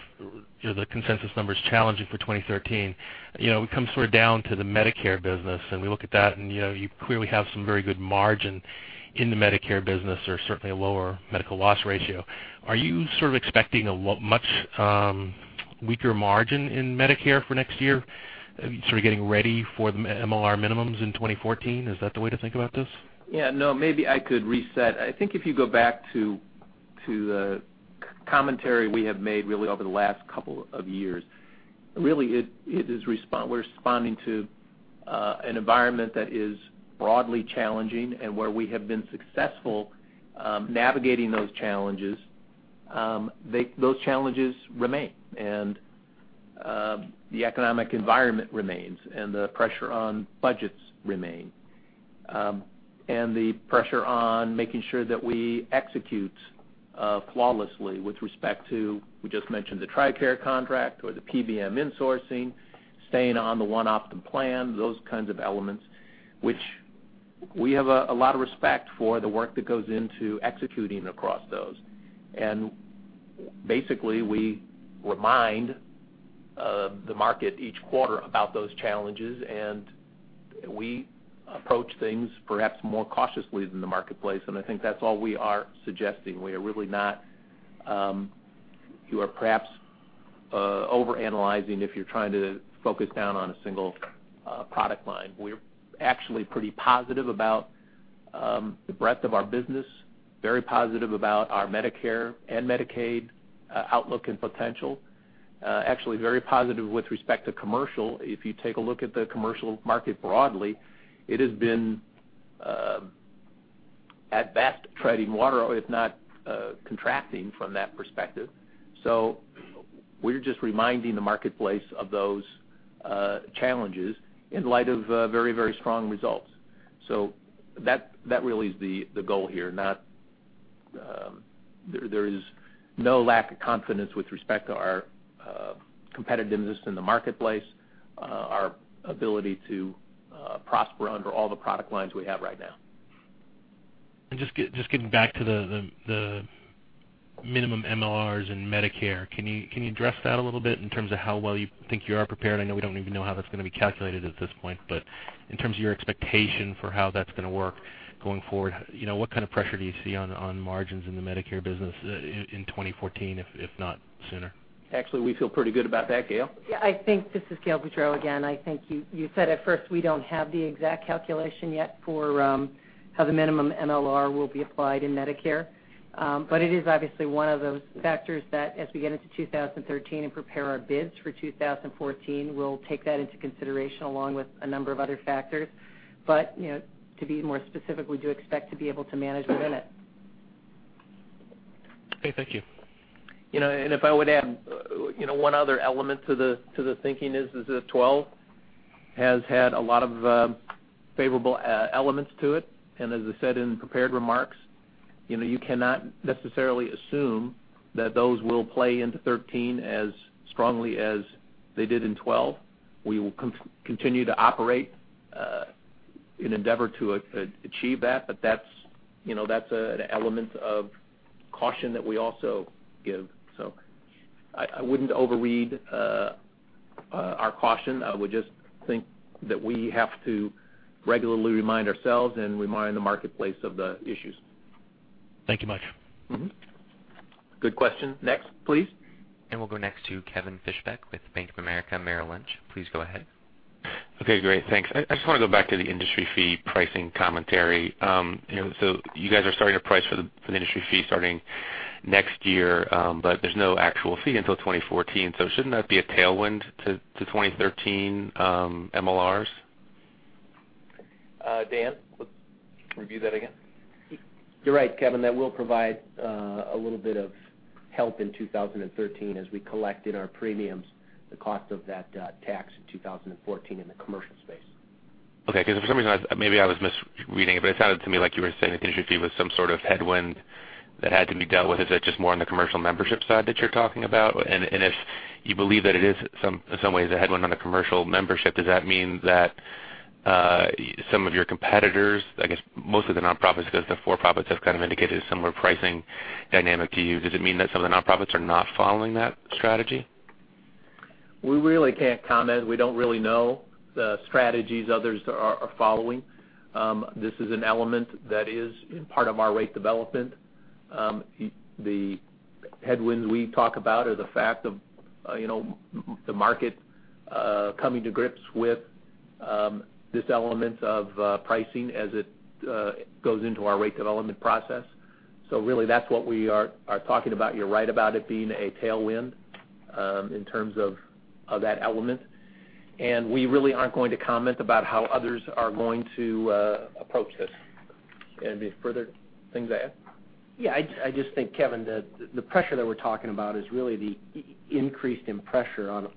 the consensus numbers challenging for 2013. It comes sort of down to the Medicare business, and we look at that, and you clearly have some very good margin in the Medicare business, or certainly a lower medical loss ratio. Are you sort of expecting a much weaker margin in Medicare for next year, sort of getting ready for the MLR minimums in 2014? Is that the way to think about this? Yeah, no, maybe I could reset. I think if you go back to the commentary we have made really over the last couple of years, really, we're responding to an environment that is broadly challenging and where we have been successful navigating those challenges. Those challenges remain, the economic environment remains, the pressure on budgets remain. The pressure on making sure that we execute flawlessly with respect to, we just mentioned the TRICARE contract or the PBM insourcing, staying on the Optum One plan, those kinds of elements, which we have a lot of respect for the work that goes into executing across those. Basically, we remind the market each quarter about those challenges, we approach things perhaps more cautiously than the marketplace, I think that's all we are suggesting. You are perhaps over-analyzing if you're trying to focus down on a single product line. We're actually pretty positive about the breadth of our business, very positive about our Medicare and Medicaid outlook and potential. Actually very positive with respect to commercial. If you take a look at the commercial market broadly, it has been at best treading water, if not contracting from that perspective. We're just reminding the marketplace of those challenges in light of very strong results. That really is the goal here. There is no lack of confidence with respect to our competitiveness in the marketplace, our ability to prosper under all the product lines we have right now. Just getting back to the minimum MLRs and Medicare, can you address that a little bit in terms of how well you think you are prepared? I know we don't even know how that's going to be calculated at this point, but in terms of your expectation for how that's going to work going forward, what kind of pressure do you see on margins in the Medicare business in 2014, if not sooner? Actually, we feel pretty good about that. Gail? Yeah. This is Gail Boudreaux again. I think you said at first we don't have the exact calculation yet for how the minimum MLR will be applied in Medicare. It is obviously one of those factors that as we get into 2013 and prepare our bids for 2014, we'll take that into consideration along with a number of other factors. To be more specific, we do expect to be able to manage within it. Okay, thank you. If I would add one other element to the thinking is that 2012 has had a lot of favorable elements to it, and as I said in prepared remarks, you cannot necessarily assume that those will play into 2013 as strongly as they did in 2012. We will continue to operate in endeavor to achieve that, but that's an element of caution that we also give. I wouldn't overread our caution. I would just think that we have to regularly remind ourselves and remind the marketplace of the issues. Thank you much. Mm-hmm. Good question. Next, please. We'll go next to Kevin Fischbeck with Bank of America Merrill Lynch. Please go ahead. Okay, great. Thanks. I just want to go back to the industry fee pricing commentary. You guys are starting to price for the industry fee starting next year, but there's no actual fee until 2014. Shouldn't that be a tailwind to 2013 MLRs? Dan, let's review that again. You're right, Kevin, that will provide a little bit of help in 2013 as we collect in our premiums the cost of that tax in 2014 in the commercial space. Okay, for some reason, maybe I was misreading it, but it sounded to me like you were saying that the industry fee was some sort of headwind that had to be dealt with. Is that just more on the commercial membership side that you're talking about? If you believe that it is in some ways a headwind on the commercial membership, does that mean that some of your competitors, I guess most of the nonprofits because the for-profits have kind of indicated a similar pricing dynamic to you, does it mean that some of the nonprofits are not following that strategy? We really can't comment. We don't really know the strategies others are following. This is an element that is part of our rate development. The headwinds we talk about are the fact of the market coming to grips with this element of pricing as it goes into our rate development process. Really that's what we are talking about. You're right about it being a tailwind in terms of that element, we really aren't going to comment about how others are going to approach this. Any further things to add? I just think, Kevin, the pressure that we're talking about is really the increase in pressure on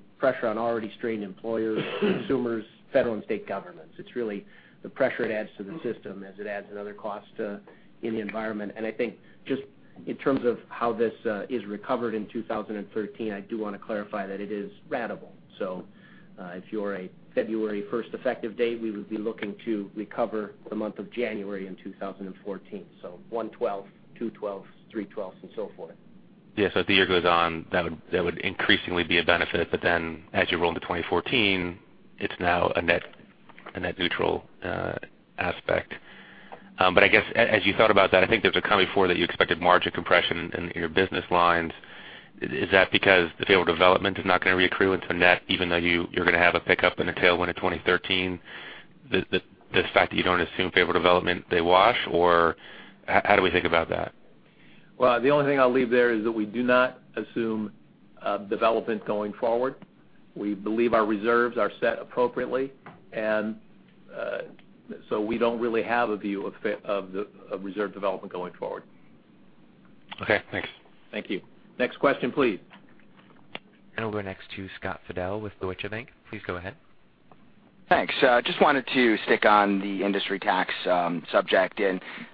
already strained employers, consumers, federal and state governments. It's really the pressure it adds to the system as it adds another cost in the environment. I think just in terms of how this is recovered in 2013, I do want to clarify that it is ratable. If you're a February 1st effective date, we would be looking to recover the month of January in 2014. 1/12, 2/12, 3/12, and so forth. As the year goes on, that would increasingly be a benefit, but then as you roll into 2014, it's now a net neutral aspect. I guess as you thought about that, I think there was a comment before that you expected margin compression in your business lines. Is that because the favorable development is not going to reaccrue into net, even though you're going to have a pickup in the tailwind of 2013? The fact that you don't assume favorable development, they wash? How do we think about that? The only thing I'll leave there is that we do not assume development going forward. We believe our reserves are set appropriately, we don't really have a view of reserve development going forward. Okay, thanks. Thank you. Next question, please. We'll go next to Scott Fidel with Deutsche Bank. Please go ahead. Thanks. Just wanted to stick on the industry tax subject,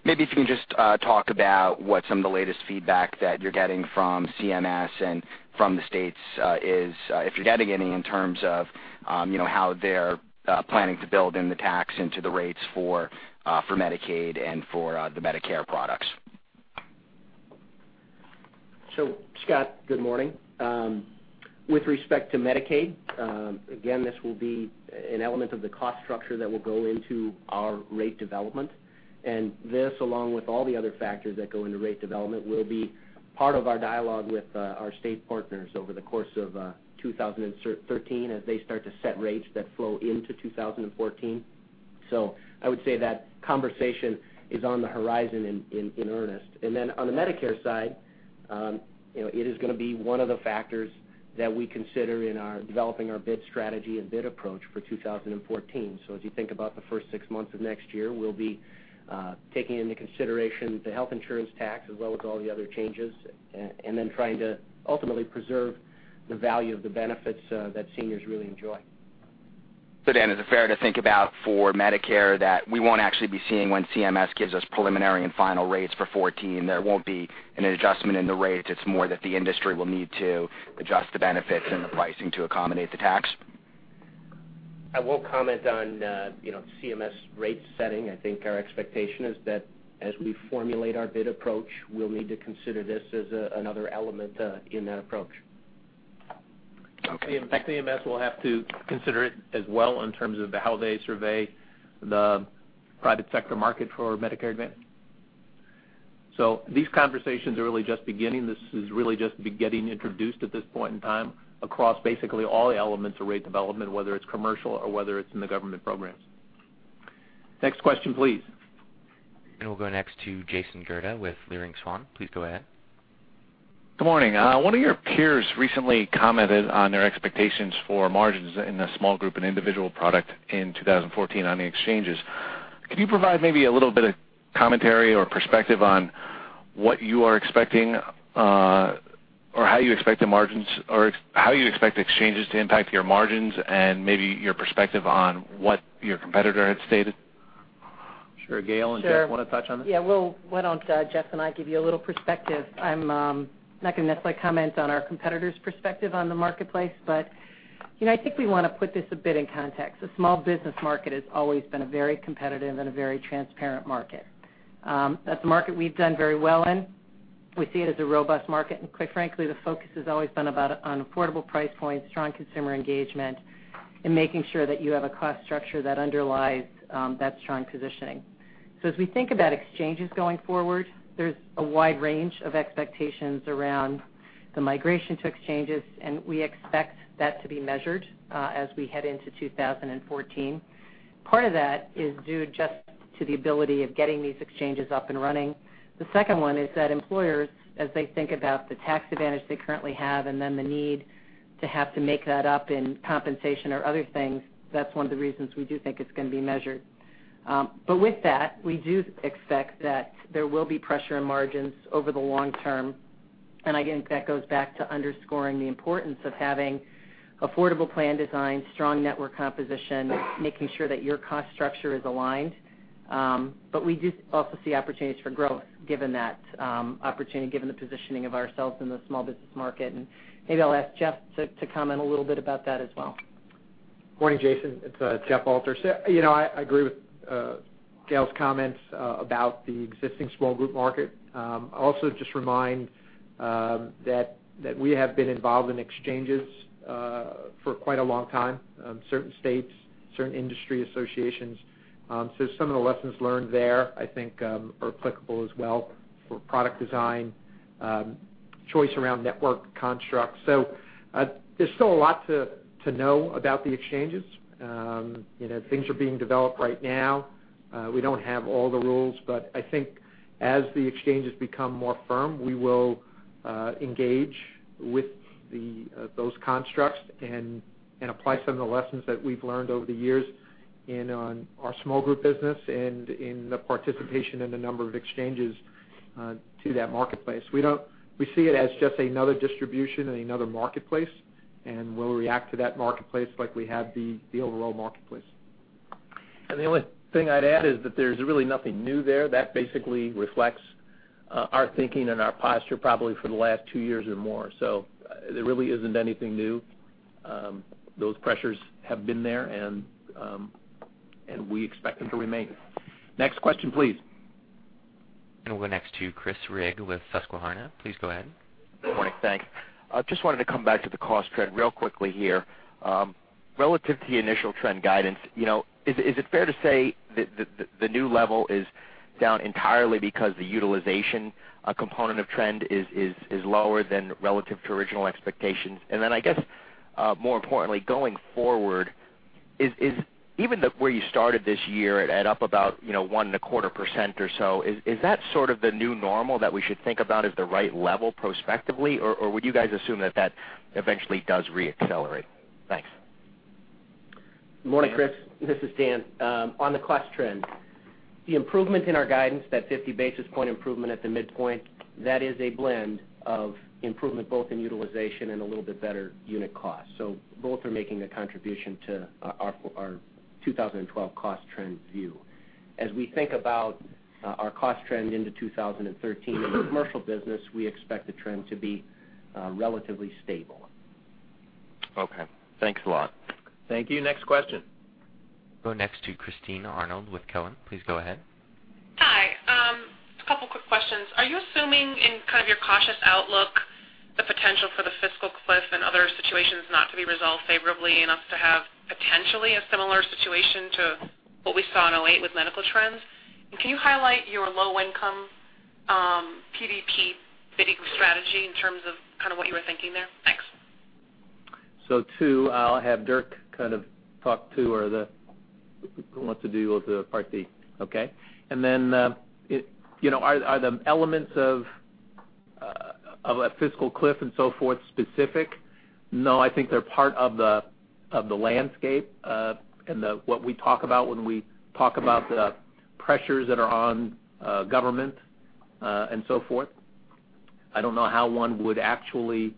maybe if you can just talk about what some of the latest feedback that you're getting from CMS and from the states is, if you're getting any, in terms of how they're planning to build in the tax into the rates for Medicaid and for the Medicare products. Scott, good morning. With respect to Medicaid, again, this will be an element of the cost structure that will go into our rate development. This, along with all the other factors that go into rate development, will be part of our dialogue with our state partners over the course of 2013 as they start to set rates that flow into 2014. I would say that conversation is on the horizon in earnest. Then on the Medicare side, it is going to be one of the factors that we consider in developing our bid strategy and bid approach for 2014. As you think about the first six months of next year, we'll be taking into consideration the health insurance tax as well as all the other changes, then trying to ultimately preserve the value of the benefits that seniors really enjoy. Dan, is it fair to think about for Medicare that we won't actually be seeing when CMS gives us preliminary and final rates for 2014? There won't be an adjustment in the rates, it's more that the industry will need to adjust the benefits and the pricing to accommodate the tax? I won't comment on CMS rate setting. I think our expectation is that as we formulate our bid approach, we'll need to consider this as another element in that approach. Okay. In fact, CMS will have to consider it as well in terms of how they survey the private sector market for Medicare Advantage. These conversations are really just beginning. This is really just getting introduced at this point in time across basically all elements of rate development, whether it's commercial or whether it's in the government programs. Next question, please. We'll go next to Jason Gurda with Leerink Swann. Please go ahead. Good morning. One of your peers recently commented on their expectations for margins in the small group and individual product in 2014 on the exchanges. Could you provide maybe a little bit of commentary or perspective on what you are expecting, or how you expect the margins, or how you expect the exchanges to impact your margins and maybe your perspective on what your competitor had stated? Sure. Gail and Jeff want to touch on this? Sure. Yeah. Well, why don't Jeff and I give you a little perspective? I'm not going to necessarily comment on our competitor's perspective on the marketplace, but I think we want to put this a bit in context. The small business market has always been a very competitive and a very transparent market. That's a market we've done very well in. We see it as a robust market, quite frankly, the focus has always been on affordable price points, strong consumer engagement, and making sure that you have a cost structure that underlies that strong positioning. As we think about exchanges going forward, there's a wide range of expectations around the migration to exchanges, and we expect that to be measured as we head into 2014. Part of that is due just to the ability of getting these exchanges up and running. The second one is that employers, as they think about the tax advantage they currently have and then the need to have to make that up in compensation or other things, that's one of the reasons we do think it's going to be measured. With that, we do expect that there will be pressure in margins over the long term, and I think that goes back to underscoring the importance of having affordable plan design, strong network composition, making sure that your cost structure is aligned. We do also see opportunities for growth given that opportunity, given the positioning of ourselves in the small business market. Maybe I'll ask Jeff to comment a little bit about that as well. Morning, Jason. It's Jeff Alter. I agree with Gail's comments about the existing small group market. Just remind that we have been involved in exchanges for quite a long time, certain states, certain industry associations. Some of the lessons learned there, I think, are applicable as well for product design, choice around network construct. There's still a lot to know about the exchanges. Things are being developed right now. We don't have all the rules, I think as the exchanges become more firm, we will engage with those constructs and apply some of the lessons that we've learned over the years In our small group business and in the participation in the number of exchanges to that marketplace. We see it as just another distribution and another marketplace, we'll react to that marketplace like we have the overall marketplace. The only thing I'd add is that there's really nothing new there. That basically reflects our thinking and our posture probably for the last two years or more. There really isn't anything new. Those pressures have been there, we expect them to remain. Next question, please. We'll go next to Chris Rigg with Susquehanna. Please go ahead. Good morning. Thanks. I just wanted to come back to the cost trend real quickly here. Relative to the initial trend guidance, is it fair to say that the new level is down entirely because the utilization component of trend is lower than relative to original expectations? I guess, more importantly, going forward, even where you started this year at up about 1.25% or so, is that sort of the new normal that we should think about as the right level prospectively? Or would you guys assume that that eventually does re-accelerate? Thanks. Morning, Chris. This is Dan. On the cost trend, the improvement in our guidance, that 50 basis point improvement at the midpoint, that is a blend of improvement both in utilization and a little bit better unit cost. Both are making a contribution to our 2012 cost trend view. As we think about our cost trend into 2013 in the commercial business, we expect the trend to be relatively stable. Okay. Thanks a lot. Thank you. Next question. Go next to Christine Arnold with Cowen. Please go ahead. Hi. Just a couple of quick questions. Are you assuming in your cautious outlook, the potential for the fiscal cliff and other situations not to be resolved favorably enough to have potentially a similar situation to what we saw in 2008 with medical trends? Can you highlight your low-income PDP bidding strategy in terms of what you were thinking there? Thanks. Two, I'll have Dirk talk to, or who wants to do the Medicare Part D? Okay. Are the elements of a fiscal cliff and so forth specific? No, I think they're part of the landscape, and what we talk about when we talk about the pressures that are on government and so forth. I don't know how one would actually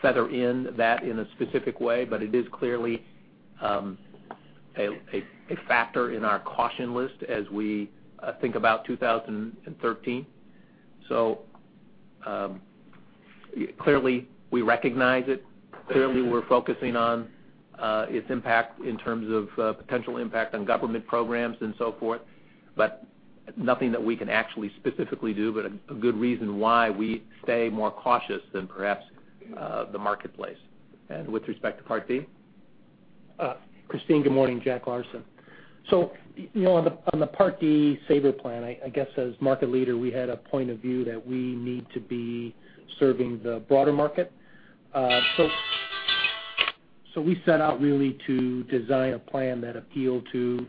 feather in that in a specific way, but it is clearly a factor in our caution list as we think about 2013. Clearly we recognize it. Clearly we're focusing on its impact in terms of potential impact on government programs and so forth, but nothing that we can actually specifically do, but a good reason why we stay more cautious than perhaps the marketplace. With respect to Medicare Part D? Christine, good morning. Jack Larsen. On the Medicare Part D saver plan, I guess as market leader, we had a point of view that we need to be serving the broader market. We set out really to design a plan that appealed to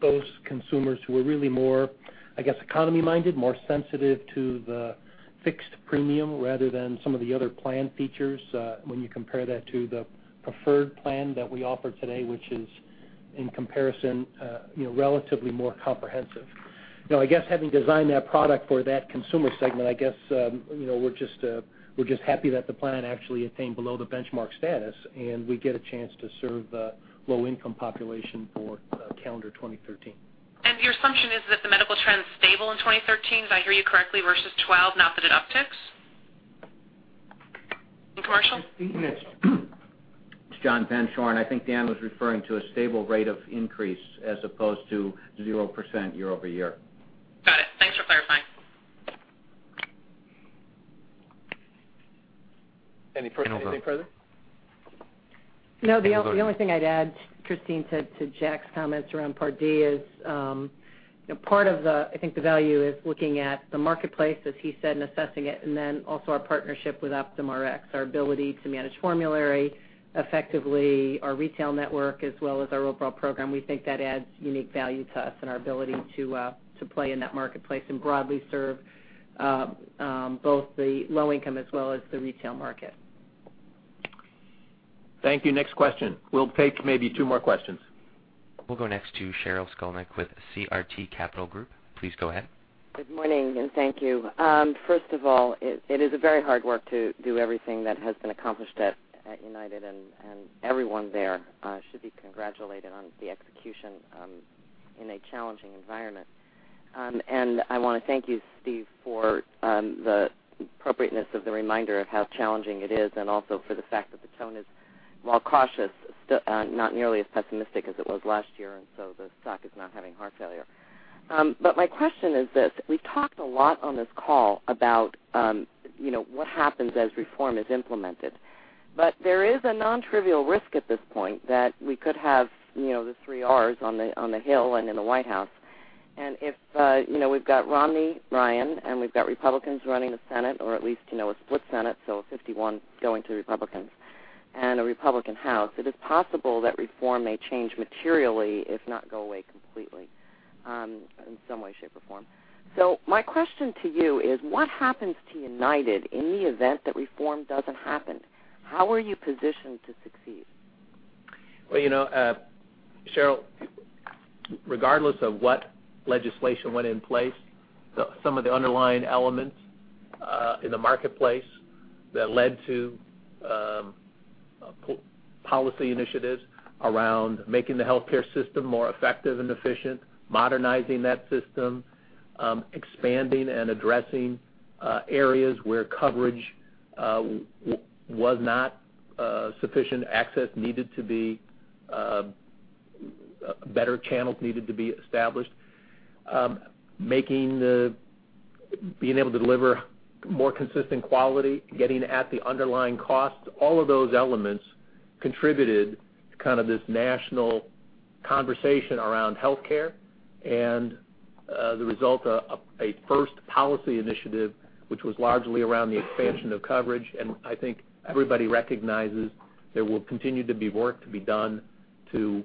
those consumers who are really more, I guess, economy-minded, more sensitive to the fixed premium rather than some of the other plan features when you compare that to the preferred plan that we offer today, which is in comparison, relatively more comprehensive. I guess having designed that product for that consumer segment, I guess, we're just happy that the plan actually attained below the benchmark status, and we get a chance to serve the low-income population for calendar 2013. Your assumption is that the medical trend's stable in 2013, did I hear you correctly, versus 2012, not that it upticks? In commercial? Christine, it's John Rex. I think Dan was referring to a stable rate of increase as opposed to 0% year over year. Got it. Thanks for clarifying. Anything further? No, the only thing I'd add, Christine, to Jack's comments around Part D is, part of, I think the value is looking at the marketplace, as he said, and assessing it, and then also our partnership with OptumRx, our ability to manage formulary effectively, our retail network, as well as our overall program. We think that adds unique value to us and our ability to play in that marketplace and broadly serve both the low income as well as the retail market. Thank you. Next question. We'll take maybe two more questions. We'll go next to Sheryl Skolnick with CRT Capital Group. Please go ahead. Good morning, and thank you. First of all, it is a very hard work to do everything that has been accomplished at United, and everyone there should be congratulated on the execution in a challenging environment. I want to thank you, Steve, for the appropriateness of the reminder of how challenging it is and also for the fact that the tone is, while cautious, not nearly as pessimistic as it was last year, and so the stock is not having heart failure. My question is this: We've talked a lot on this call about what happens as reform is implemented. There is a non-trivial risk at this point that we could have the three Rs on the Hill and in the White House. If we've got Romney, Ryan, and we've got Republicans running the Senate, or at least a split Senate, 51 going to Republicans and a Republican House, it is possible that reform may change materially, if not go away completely. In some way, shape, or form. My question to you is, what happens to United in the event that reform doesn't happen? How are you positioned to succeed? Well, Sheryl, regardless of what legislation went in place, some of the underlying elements in the marketplace that led to policy initiatives around making the healthcare system more effective and efficient, modernizing that system, expanding and addressing areas where coverage was not sufficient access, better channels needed to be established, being able to deliver more consistent quality, getting at the underlying costs, all of those elements contributed to this national conversation around healthcare, and the result of a first policy initiative, which was largely around the expansion of coverage. I think everybody recognizes there will continue to be work to be done to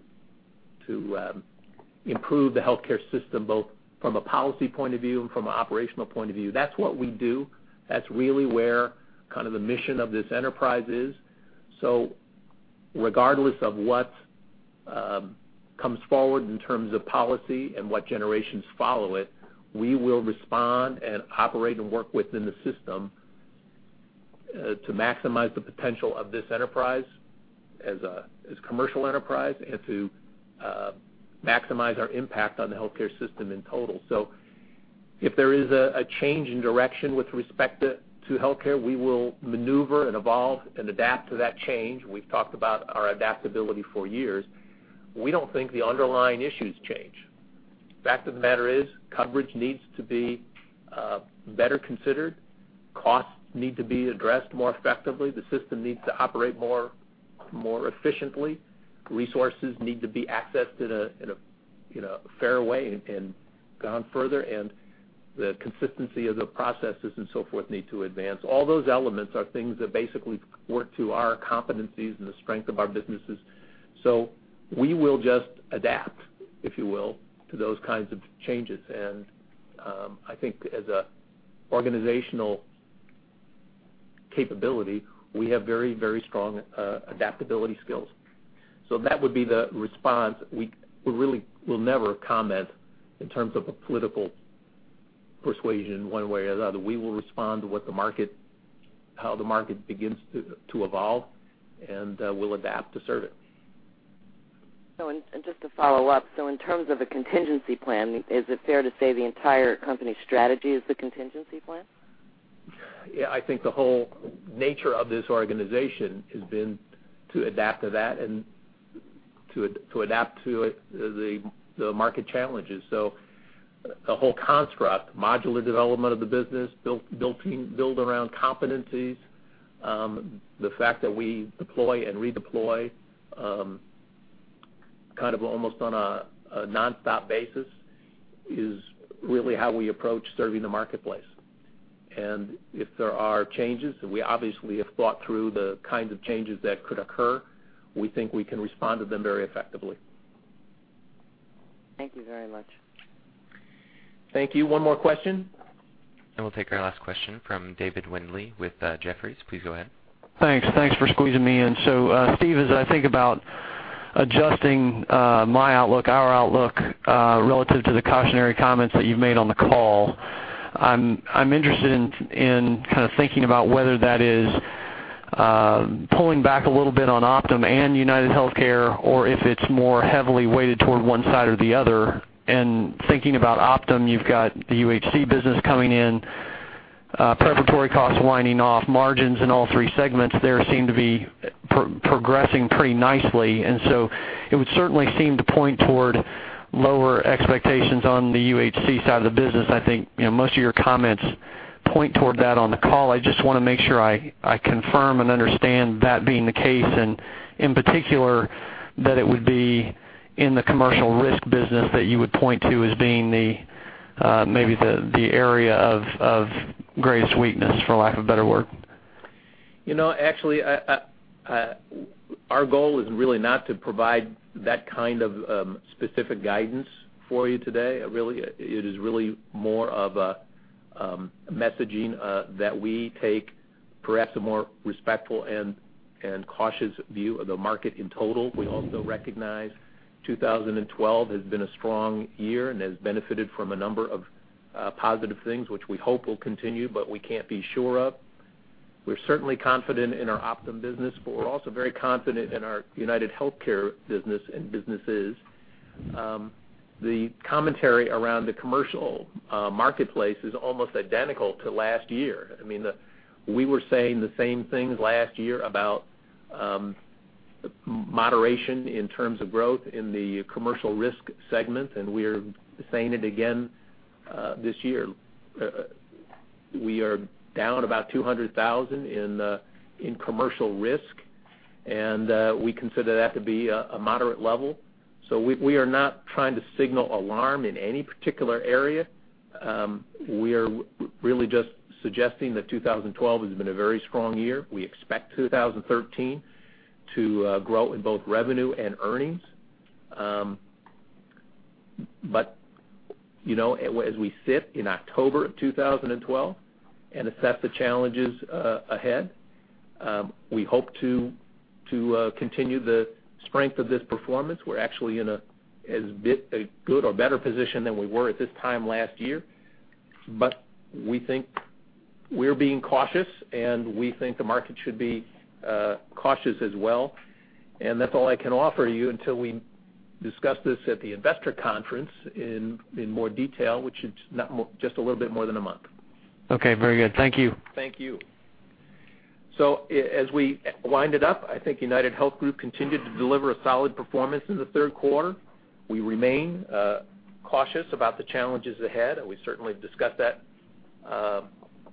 improve the healthcare system, both from a policy point of view and from an operational point of view. That's what we do. That's really where the mission of this enterprise is. Regardless of what comes forward in terms of policy and what generations follow it, we will respond and operate and work within the system to maximize the potential of this enterprise as commercial enterprise and to maximize our impact on the healthcare system in total. If there is a change in direction with respect to healthcare, we will maneuver and evolve and adapt to that change. We've talked about our adaptability for years. We don't think the underlying issues change. Fact of the matter is coverage needs to be better considered. Costs need to be addressed more effectively. The system needs to operate more efficiently. Resources need to be accessed in a fair way and gone further, and the consistency of the processes and so forth need to advance. All those elements are things that basically work to our competencies and the strength of our businesses. We will just adapt, if you will, to those kinds of changes. I think as a organizational capability, we have very strong adaptability skills. That would be the response. We really will never comment in terms of a political persuasion one way or the other. We will respond to how the market begins to evolve, and we'll adapt to serve it. Just to follow up, in terms of a contingency plan, is it fair to say the entire company strategy is the contingency plan? I think the whole nature of this organization has been to adapt to that and to adapt to the market challenges. The whole construct, modular development of the business, build around competencies, the fact that we deploy and redeploy almost on a nonstop basis is really how we approach serving the marketplace. If there are changes, we obviously have thought through the kinds of changes that could occur. We think we can respond to them very effectively. Thank you very much. Thank you. One more question. We'll take our last question from David Windley with Jefferies. Please go ahead. Thanks for squeezing me in. Steve, as I think about adjusting my outlook, our outlook, relative to the cautionary comments that you've made on the call, I'm interested in thinking about whether that is pulling back a little bit on Optum and UnitedHealthcare, or if it's more heavily weighted toward one side or the other. Thinking about Optum, you've got the UnitedHealthcare business coming in, preparatory costs winding off, margins in all three segments there seem to be progressing pretty nicely. It would certainly seem to point toward lower expectations on the UnitedHealthcare side of the business. I think most of your comments point toward that on the call. I just want to make sure I confirm and understand that being the case, and in particular, that it would be in the commercial risk business that you would point to as being maybe the area of greatest weakness, for lack of a better word. Our goal is really not to provide that kind of specific guidance for you today. It is really more of a messaging that we take perhaps a more respectful and cautious view of the market in total. We also recognize 2012 has been a strong year and has benefited from a number of positive things, which we hope will continue, but we can't be sure of. We're certainly confident in our Optum business, but we're also very confident in our UnitedHealthcare business and businesses. The commentary around the commercial marketplace is almost identical to last year. We were saying the same things last year about moderation in terms of growth in the commercial risk segment, and we are saying it again this year. We are down about 200,000 in commercial risk, and we consider that to be a moderate level. We are not trying to signal alarm in any particular area. We are really just suggesting that 2012 has been a very strong year. We expect 2013 to grow in both revenue and earnings. As we sit in October of 2012 and assess the challenges ahead, we hope to continue the strength of this performance. We're actually in as good or better position than we were at this time last year. We think we're being cautious, and we think the market should be cautious as well. That's all I can offer you until we discuss this at the investor conference in more detail, which is just a little bit more than a month. Okay, very good. Thank you. Thank you. As we wind it up, I think UnitedHealth Group continued to deliver a solid performance in the third quarter. We remain cautious about the challenges ahead, and we certainly have discussed that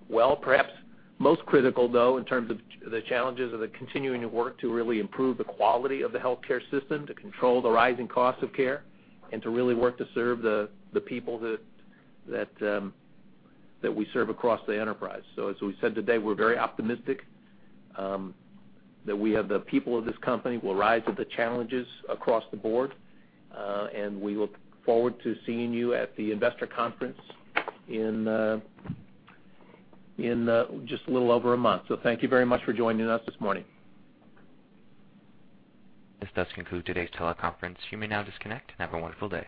well. Perhaps most critical, though, in terms of the challenges of the continuing to work to really improve the quality of the healthcare system, to control the rising cost of care, and to really work to serve the people that we serve across the enterprise. As we said today, we're very optimistic that we have the people of this company will rise to the challenges across the board. We look forward to seeing you at the investor conference in just a little over a month. Thank you very much for joining us this morning. This does conclude today's teleconference. You may now disconnect and have a wonderful day.